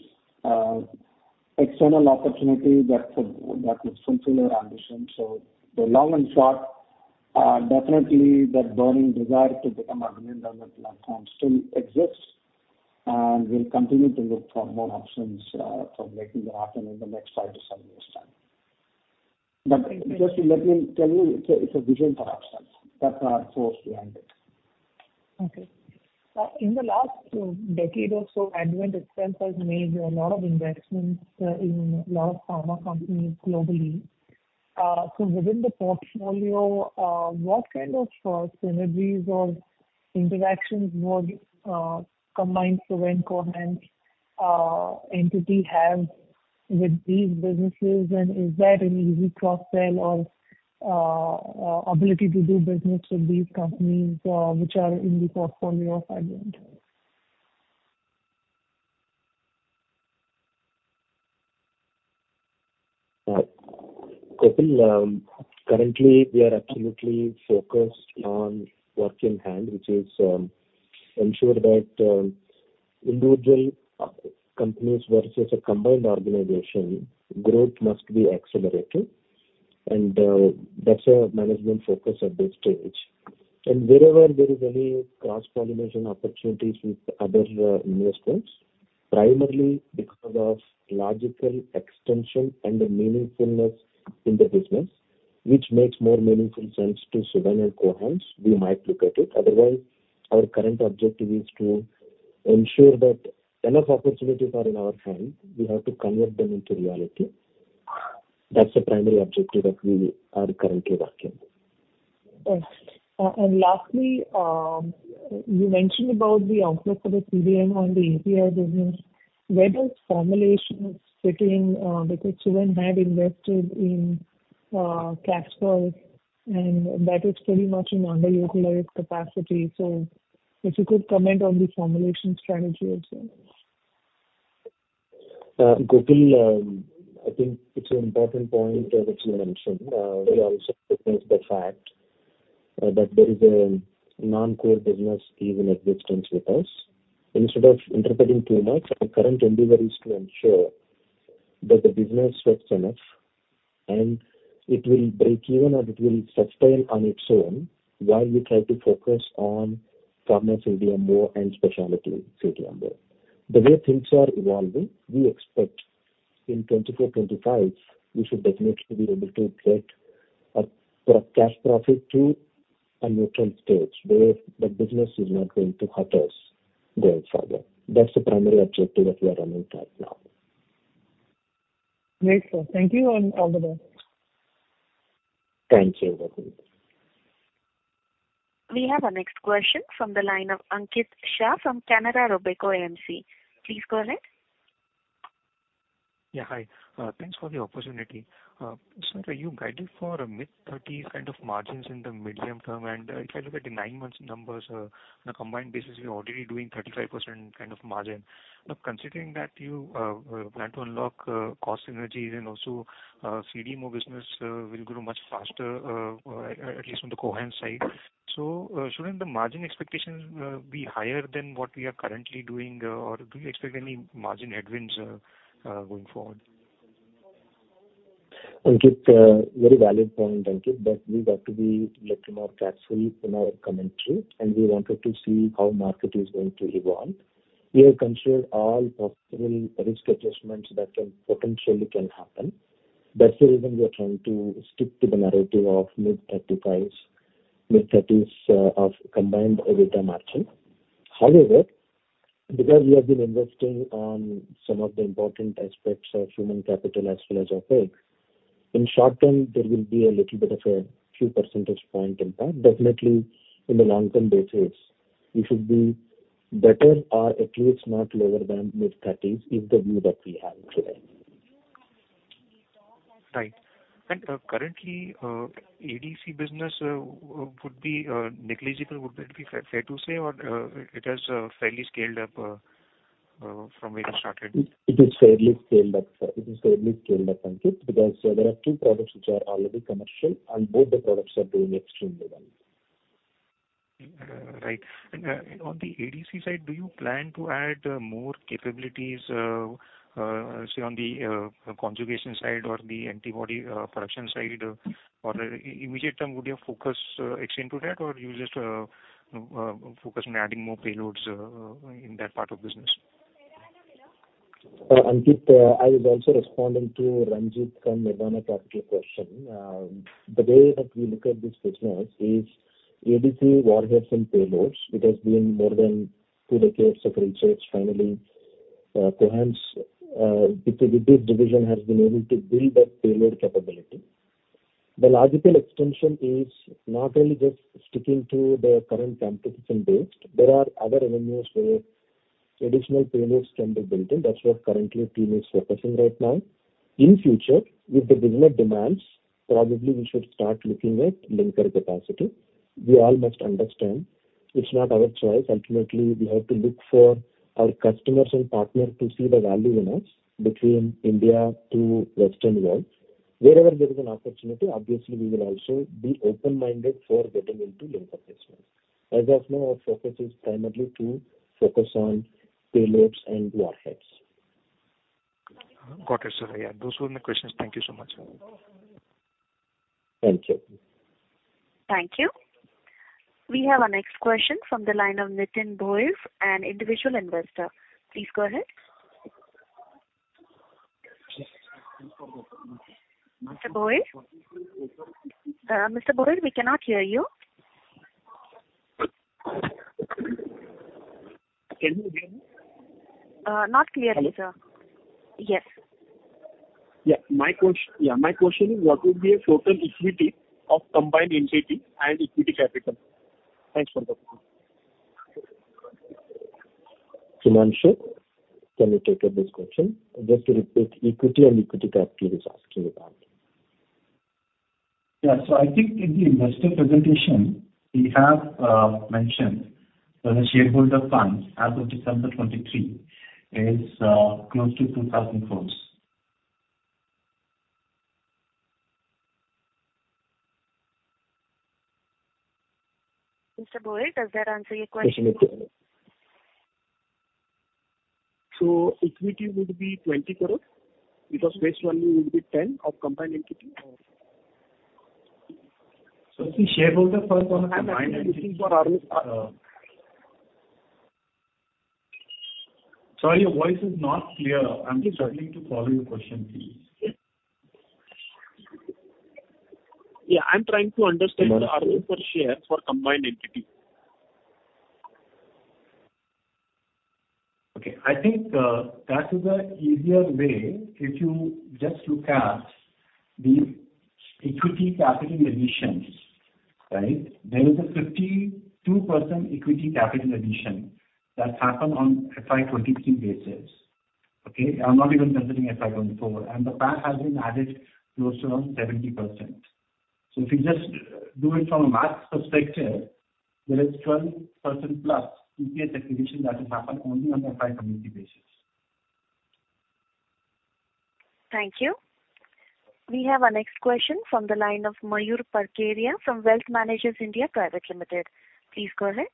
external opportunities that would fulfill our ambition. So the long and short, definitely, that burning desire to become a billion-dollar platform still exists. We'll continue to look for more options for making that happen in the next 5-7 years' time. But just let me tell you, it's a vision for ourselves. That's our force behind it. Okay. In the last decade or so, Advent itself has made a lot of investments in a lot of pharma companies globally. So within the portfolio, what kind of synergies or interactions would the combined Suven-Cohance entity have with these businesses? And is that an easy cross-sell or ability to do business with these companies, which are in the portfolio of Advent? Gokul, currently, we are absolutely focused on work in hand, which is, ensure that, individual, companies versus a combined organization, growth must be accelerated. That's a management focus at this stage. Wherever there is any cross-pollination opportunities with other, investors, primarily because of logical extension and the meaningfulness in the business, which makes more meaningful sense to Suven and Cohance, we might look at it. Otherwise, our current objective is to ensure that enough opportunities are in our hand. We have to convert them into reality. That's the primary objective that we are currently working on. Thanks. And lastly, you mentioned about the outlook for the CDMO and the API business. Where does formulation fit in, because Suven had invested in Casper, and that is pretty much in underutilized capacity. So if you could comment on the formulation strategy as well. Gokul, I think it's an important point that you mentioned. We also recognize the fact that there is a non-core business is in existence with us. Instead of interpreting too much, our current endeavor is to ensure that the business fits enough, and it will break even or it will sustain on its own while we try to focus on pharma CDMO and specialty CDMO. The way things are evolving, we expect in 2024, 2025, we should definitely be able to get a cash profit to a neutral stage where the business is not going to hurt us going further. That's the primary objective that we are running right now. Very so. Thank you and all the best. Thank you, Gokul. We have a next question from the line of Ankit Shah from Canara Robeco AMC. Please go ahead. Yeah, hi. Thanks for the opportunity. Sir, are you guiding for a mid-30 kind of margins in the medium term? And if I look at the nine months numbers, on a combined basis, we're already doing 35% kind of margin. Now, considering that you plan to unlock cost synergies and also CDMO business will grow much faster, at least on the Cohance side. So, shouldn't the margin expectations be higher than what we are currently doing, or do you expect any margin headwinds going forward? Ankit, very valid point, Ankit. But we got to be a little more careful in our commentary. And we wanted to see how market is going to evolve. We have considered all possible risk adjustments that can potentially can happen. That's the reason we are trying to stick to the narrative of mid-35s, mid-30s, of combined EBITDA margin. However, because we have been investing on some of the important aspects of human capital as well as of ESG, in short term, there will be a little bit of a few percentage point impact. Definitely, in the long-term basis, we should be better or at least not lower than mid-30s is the view that we have today. Right. And currently, ADC business would be negligible? Would that be fair to say? Or it has fairly scaled up from where you started? It is fairly scaled up, sir. It is fairly scaled up, Ankit, because there are two products which are already commercial, and both the products are doing extremely well. Right. And on the ADC side, do you plan to add more capabilities, say, on the conjugation side or the antibody production side? Or immediate term, would you focus extend to that? Or you just focus on adding more payloads in that part of business? Ankit, I was also responding to Darshit from Nirvana Capital question. The way that we look at this business is ADC, warheads, and payloads. It has been more than two decades of research. Finally, Cohance, with this division, has been able to build that payload capability. The logical extension is not really just sticking to the current campus and base. There are other avenues where additional payloads can be built in. That's what currently our team is focusing right now. In future, if the business demands, probably, we should start looking at linker capacity. We all must understand it's not our choice. Ultimately, we have to look for our customers and partners to see the value in us between India to Western world. Wherever there is an opportunity, obviously, we will also be open-minded for getting into linker placement. As of now, our focus is primarily to focus on payloads and warheads. Got it, sir. Yeah, those were my questions. Thank you so much. Thank you. Thank you. We have a next question from the line of Nitin Bhoir an Individual Investor. Please go ahead. Mr. Bhoir? Mr. Bhoir, we cannot hear you. Can you hear me? Not clearly, sir. Hello. Yes. Yeah. My question is, what would be a total equity of combined entity and equity capital? Thanks for the question. Himanshu, can you take up this question? Just to repeat, equity and equity capital is asking about. Yeah. So I think in the investor presentation, we have mentioned that the shareholder fund as of December 2023 is close to INR 2,000 crore. Mr. Bhoir, does that answer your question? Question again. So equity would be 20 crore because phase one would be 10 of combined entity, or? Is the shareholder fund on a combined entity? I'm looking for our—sorry, your voice is not clear. I'm struggling to follow your question, please. Yeah. I'm trying to understand the earnings per share for combined entity. Okay. I think, that is a easier way if you just look at the equity capital additions, right? There is a 52% equity capital addition that happened on FY 2023 basis, okay? I'm not even considering FY 2024. And the PAT has been added close to around 70%. So if you just do it from a mass perspective, there is 12%+ EPS acquisition that will happen only on the FY 2023 basis. Thank you. We have a next question from the line of Mayur Parkeria from Wealth Managers India Private Limited. Please go ahead.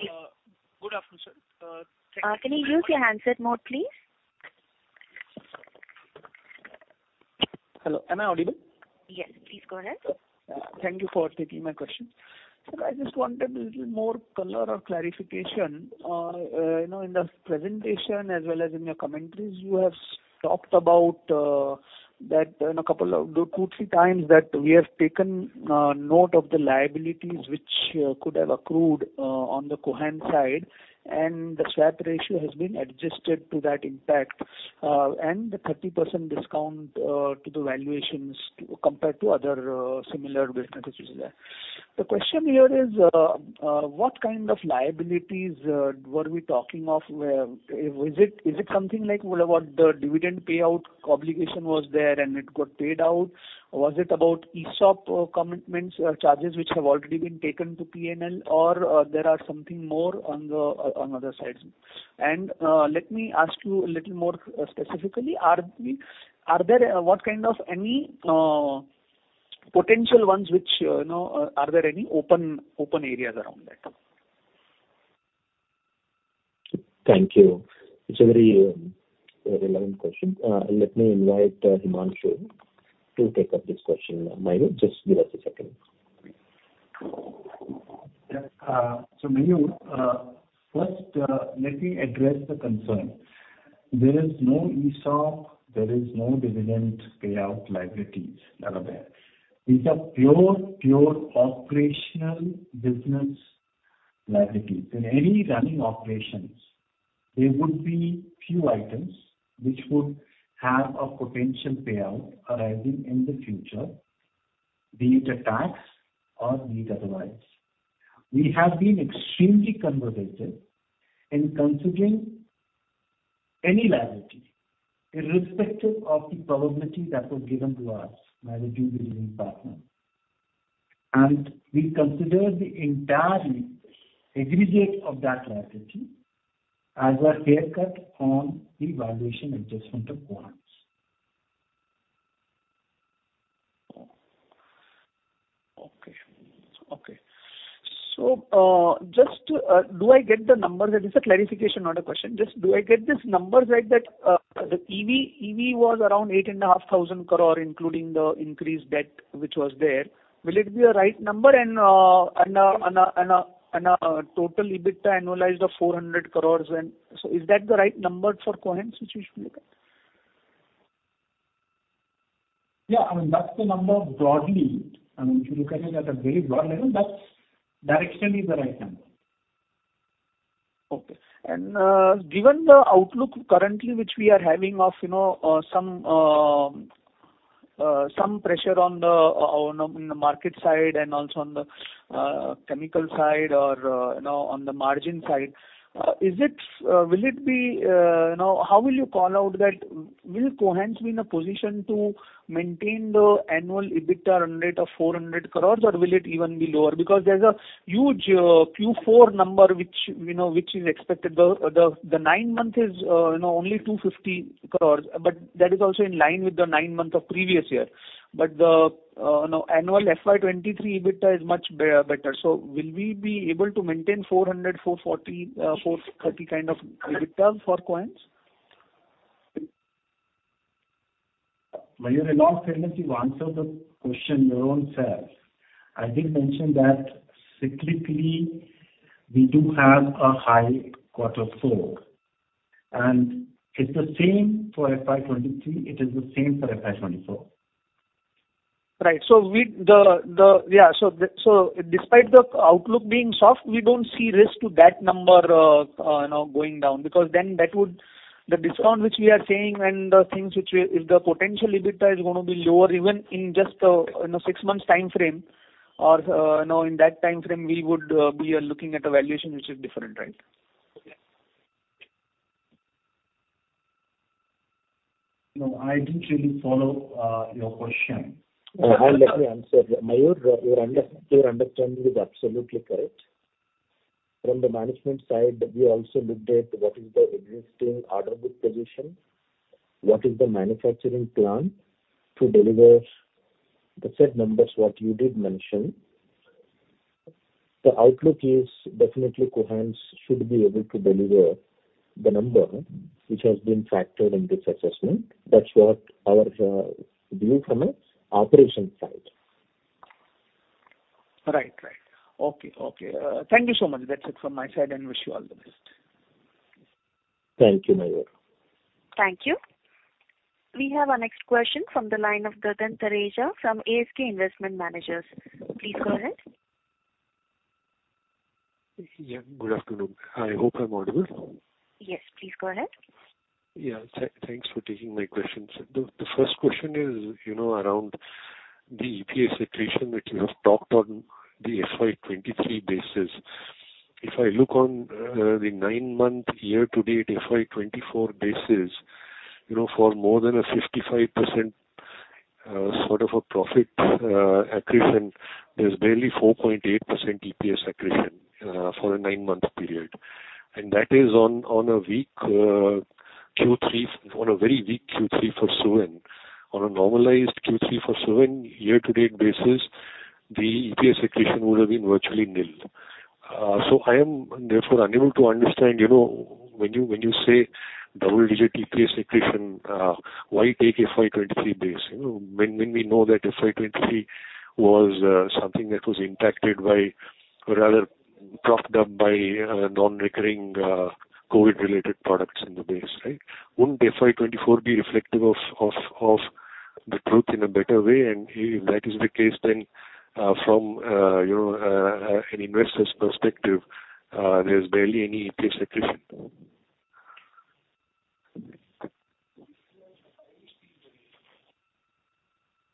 Good afternoon, sir. Thank you for. Can you use your handset mode, please? Hello. Am I audible? Yes. Please go ahead. Thank you for taking my question. So I just wanted a little more color or clarification. You know, in the presentation as well as in your commentaries, you have talked about, that, you know, a couple of two, three times that we have taken note of the liabilities which could have accrued on the Cohance side. And the Swap Ratio has been adjusted to that impact, and the 30% discount to the valuations compared to other similar businesses which is there. The question here is, what kind of liabilities were we talking of? Where is it? Is it something like what about the dividend payout obligation? Was there, and it got paid out? Was it about ESOP commitments, charges which have already been taken to P&L? Or there are something more on the other sides? And let me ask you a little more specifically. Are we there? What kind of any potential ones which, you know, are there any open areas around that? Thank you. It's a very, very relevant question. Let me invite Himanshu to take up this question. Mayur, just give us a second. Yeah. So Mayur, first, let me address the concern. There is no ESOP. There is no dividend payout liabilities that are there. These are pure, pure operational business liabilities. In any running operations, there would be few items which would have a potential payout arising in the future, be it a tax or be it otherwise. We have been extremely conservative in considering any liability irrespective of the probability that was given to us by the due diligence partner. And we considered the entire aggregate of that liability as a haircut on the valuation adjustment of Cohance. Okay. Okay. So, just to, do I get the numbers right? It's a clarification, not a question. Just do I get these numbers right that, the EV EV was around 8,500 crore, including the increased debt which was there? Will it be a right number? And total EBITDA annualized of 400 crore and so is that the right number for Cohance which we should look at? Yeah. I mean, that's the number broadly. I mean, if you look at it at a very broad level, that's that extent is the right number. Okay. And, given the outlook currently which we are having of, you know, some pressure on the market side and also on the chemical side or, you know, on the margin side, is it, will it be, you know, how will you call out that will Cohance be in a position to maintain the annual EBITDA run rate of 400 crore? Or will it even be lower? Because there's a huge Q4 number which, you know, which is expected. The nine-month is, you know, only 250 crore. But that is also in line with the nine-month of previous year. But the, you know, annual FY 2023 EBITDA is much better. So will we be able to maintain 400, 440, 430 kind of EBITDA for Cohance? Mayur, in all fairness, you've answered the question your own self. I did mention that cyclically, we do have a high quarter four. And it's the same for FY 2023. It is the same for FY 2024. Right. So despite the outlook being soft, we don't see risk to that number, you know, going down because then that would the discount which we are saying and the things which we if the potential EBITDA is going to be lower even in just a, you know, six months time frame or, you know, in that time frame, we would be looking at a valuation which is different, right? Okay. No, I didn't really follow your question. Well, let me answer. Mayur, your understanding is absolutely correct. From the management side, we also looked at what is the existing order book position, what is the manufacturing plan to deliver the set numbers what you did mention. The outlook is definitely Cohance should be able to deliver the number which has been factored in this assessment. That's what our view from an operation side. Right. Right. Okay. Okay. Thank you so much. That's it from my side. Wish you all the best. Thank you, Mayur. Thank you. We have a next question from the line of Gagan Thareja from ASK Investment Managers. Please go ahead. Yeah. Good afternoon. I hope I'm audible. Yes. Please go ahead. Yeah. Thanks for taking my questions. The first question is, you know, around the EPS situation which you have talked on the FY 2023 basis. If I look on the 9-month year-to-date FY 2024 basis, you know, for more than a 55% sort of a profit accretion, there's barely 4.8% EPS accretion for a 9-month period. And that is on a weak Q3, on a very weak Q3 for Suven. On a normalized Q3 for Suven year-to-date basis, the EPS accretion would have been virtually nil. So I am, therefore, unable to understand, you know, when you say double-digit EPS accretion, why take FY 2023 base? You know, when we know that FY 2023 was something that was impacted by or rather propped up by non-recurring COVID-related products in the base, right? Wouldn't FY 2024 be reflective of the truth in a better way? If that is the case, then, from, you know, an investor's perspective, there's barely any EPS accretion.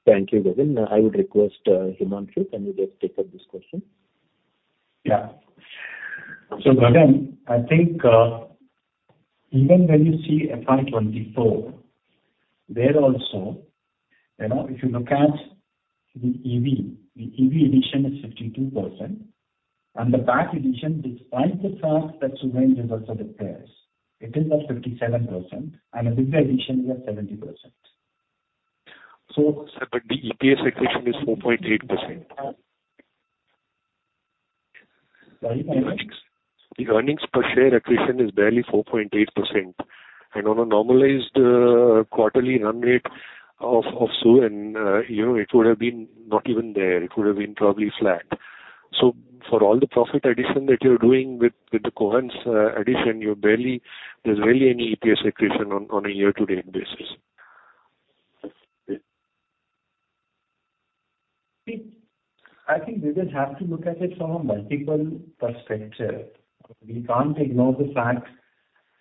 Thank you, Gagan. I would request, Himanshu, can you just take up this question? Yeah. So Gagan, I think, even when you see FY 2024, there also, you know, if you look at the EV, the EV addition is 52%. And the PAT addition, despite the fact that Suven is also the peers, it is at 57%. And the dividend addition is at 70%. But the EPS accretion is 4.8%. Sorry, Himanshu? The earnings per share accretion is barely 4.8%. On a normalized, quarterly run rate of Suven, you know, it would have been not even there. It would have been probably flat. For all the profit addition that you're doing with the Cohance addition, there's barely any EPS accretion on a year-to-date basis. I think we will have to look at it from a multiple perspective. We can't ignore the fact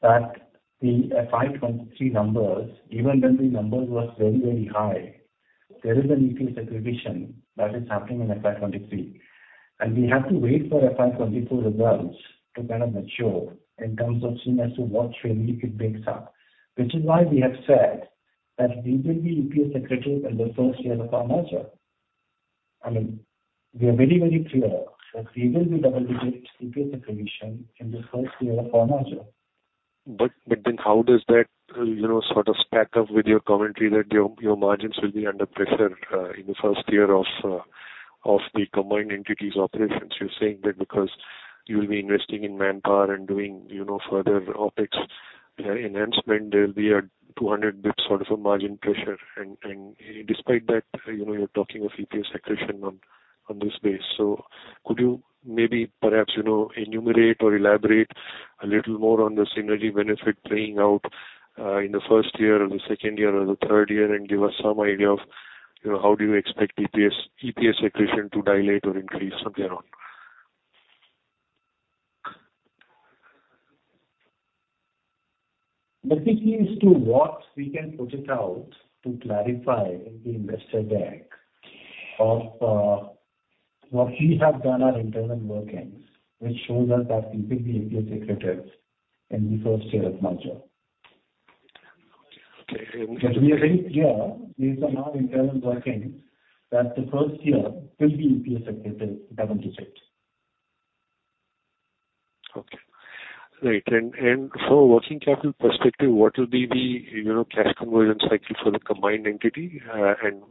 that the FY 2023 numbers, even when the number was very, very high, there is an EPS accretion that is happening in FY 2023. And we have to wait for FY 2024 results to kind of mature in terms of seeing as to what trend it makes up, which is why we have said that we will be EPS accretive in the first year of our merger. I mean, we are very, very clear that we will be double-digit EPS accretion in the first year of our merger. But, but then how does that, you know, sort of stack up with your commentary that your, your margins will be under pressure, in the first year of, of the combined entities operations? You're saying that because you'll be investing in manpower and doing, you know, further OpEx enhancement, there'll be a 200 basis points sort of a margin pressure. And, and despite that, you know, you're talking of EPS accretion on, on this base. So could you maybe perhaps, you know, enumerate or elaborate a little more on the synergy benefit playing out, in the first year or the second year or the third year and give us some idea of, you know, how do you expect EPS EPS accretion to dilate or increase from there on? The key is to what we can put it out to clarify in the investor deck of what we have done at internal workings, which shows us that we will be EPS accretive in the first year of merger. Okay. Okay. We are very clear based on our internal workings that the first year will be EPS accretive double-digit. Okay. Right. And from a working capital perspective, what will be the, you know, cash conversion cycle for the combined entity, and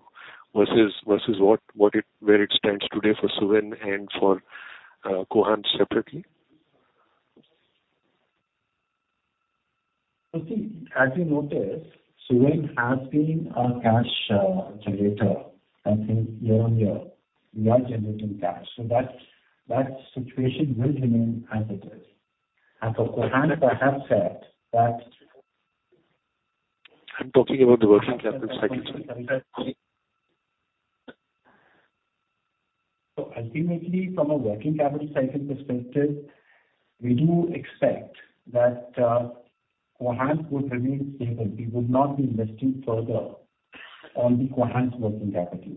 versus what, where it stands today for Suven and for Cohance separately? Well, see, as you notice, Suven has been a cash generator. I think year-on-year, we are generating cash. So that situation will remain as it is. And for Cohance, I have said that. I'm talking about the working capital cycle, sorry. Sorry. So ultimately, from a working capital cycle perspective, we do expect that, Cohance would remain stable. We would not be investing further on the Cohance working capital.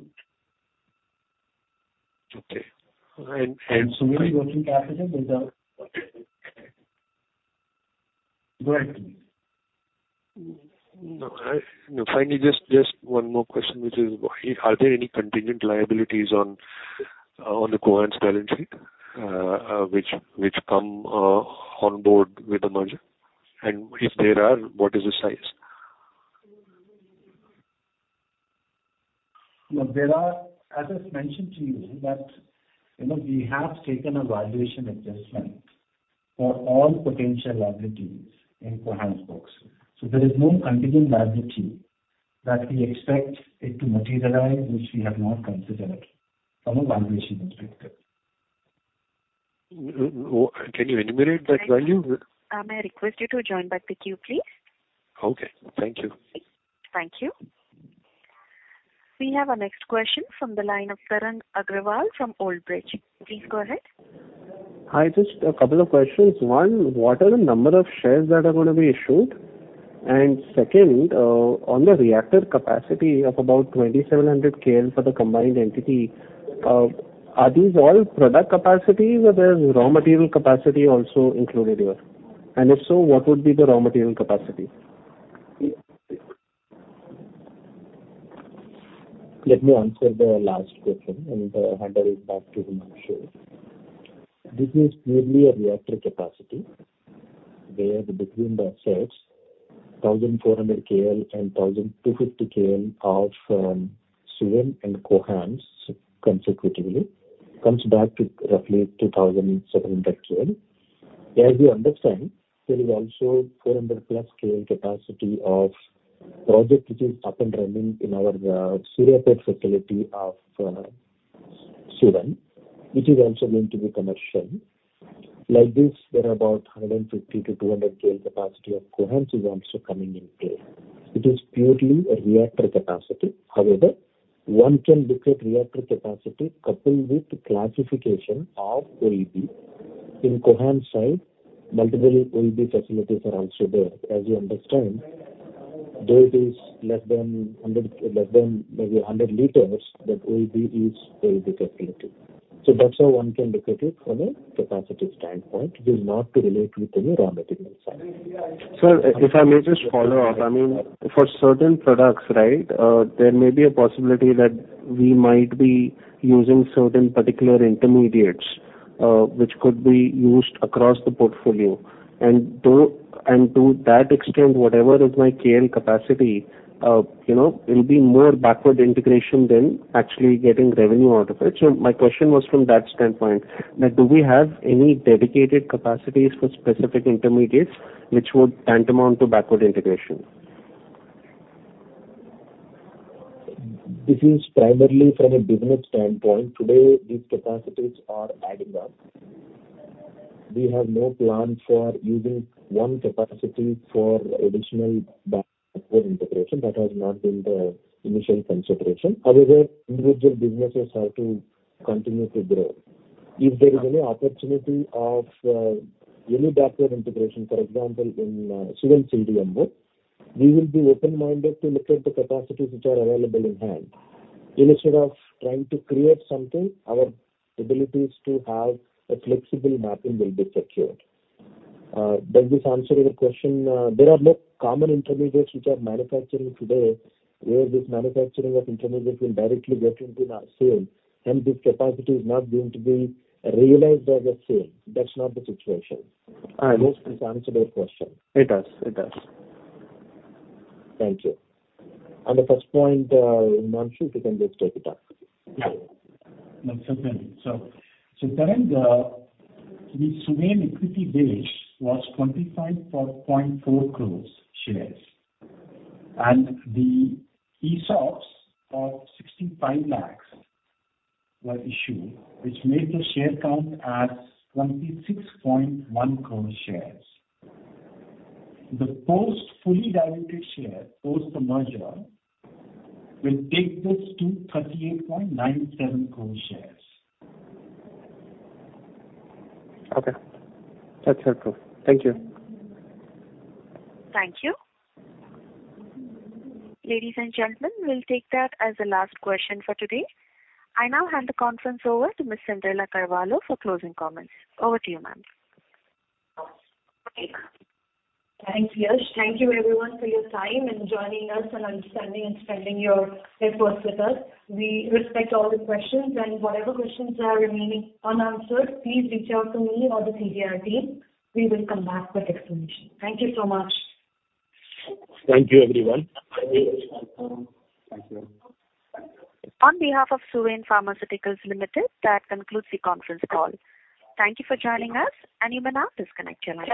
Okay. Suven working capital is a. Go ahead, please. Finally, just one more question, which is, are there any contingent liabilities on the Cohance balance sheet, which come on board with the merger? And if there are, what is the size? No. There are as I've mentioned to you that, you know, we have taken a valuation adjustment for all potential liabilities in Cohance books. So there is no contingent liability that we expect it to materialize which we have not considered from a valuation perspective. Who can you enumerate that value? Gagan, I may request you to join back the queue, please. Okay. Thank you. Thank you. We have a next question from the line of Tarang Agrawal from Old Bridge. Please go ahead. Hi. Just a couple of questions. One, what are the number of shares that are going to be issued? And second, on the reactor capacity of about 2,700 KL for the combined entity, are these all product capacities or there's raw material capacity also included here? And if so, what would be the raw material capacity? Let me answer the last question and hand it back to Himanshu. This is purely a reactor capacity where between the assets, 1,400 KL and 1,250 KL of Suven and Cohance consecutively comes back to roughly 2,700 KL. As you understand, there is also 400+ KL capacity of project which is up and running in our Suryapet facility of Suven. It is also going to be commercial. Like this, there are about 150-200 KL capacity of Cohance is also coming in play. It is purely a reactor capacity. However, one can look at reactor capacity coupled with classification of OEB. In Cohance side, multiple OEB facilities are also there. As you understand, though it is less than 100 less than maybe 100 liters, that OEB is OEB facility. So that's how one can look at it from a capacity standpoint. It is not to relate with any raw material side. Sir, if I may just follow up. I mean, for certain products, right, there may be a possibility that we might be using certain particular intermediates, which could be used across the portfolio. And though and to that extent, whatever is my KL capacity, you know, it'll be more backward integration than actually getting revenue out of it. So my question was from that standpoint that do we have any dedicated capacities for specific intermediates which would tantamount to backward integration? This is primarily from a business standpoint. Today, these capacities are adding up. We have no plan for using one capacity for additional backward integration. That has not been the initial consideration. However, individual businesses have to continue to grow. If there is any opportunity of any backward integration, for example, in Suven CDMO, we will be open-minded to look at the capacities which are available in hand. Instead of trying to create something, our abilities to have a flexible mapping will be secured. Does this answer your question? There are no common intermediates which are manufacturing today where this manufacturing of intermediates will directly get into our sale. Hence, this capacity is not going to be realized as a sale. That's not the situation. I hope this answered your question. It does. It does. Thank you. On the first point, Himanshu, if you can just take it up. Yeah. No, certainly. So, Tarang, the Suven equity base was 25.4 crore shares. And the ESOPs of 65 lakh were issued, which made the share count as 26.1 crore shares. The post-fully diluted share post the merger will take this to 38.97 crore shares. Okay. That's helpful. Thank you. Thank you. Ladies and gentlemen, we'll take that as the last question for today. I now hand the conference over to Ms. Cyndrella Carvalho for closing comments. Over to you, ma'am. Thanks, Piyush. Thank you, everyone, for your time and joining us and understanding and spending your efforts with us. We respect all the questions. Whatever questions are remaining unanswered, please reach out to me or the CDR team. We will come back with explanations. Thank you so much. Thank you, everyone. Thank you. On behalf of Suven Pharmaceuticals Limited, that concludes the conference call. Thank you for joining us. You may now disconnect your line.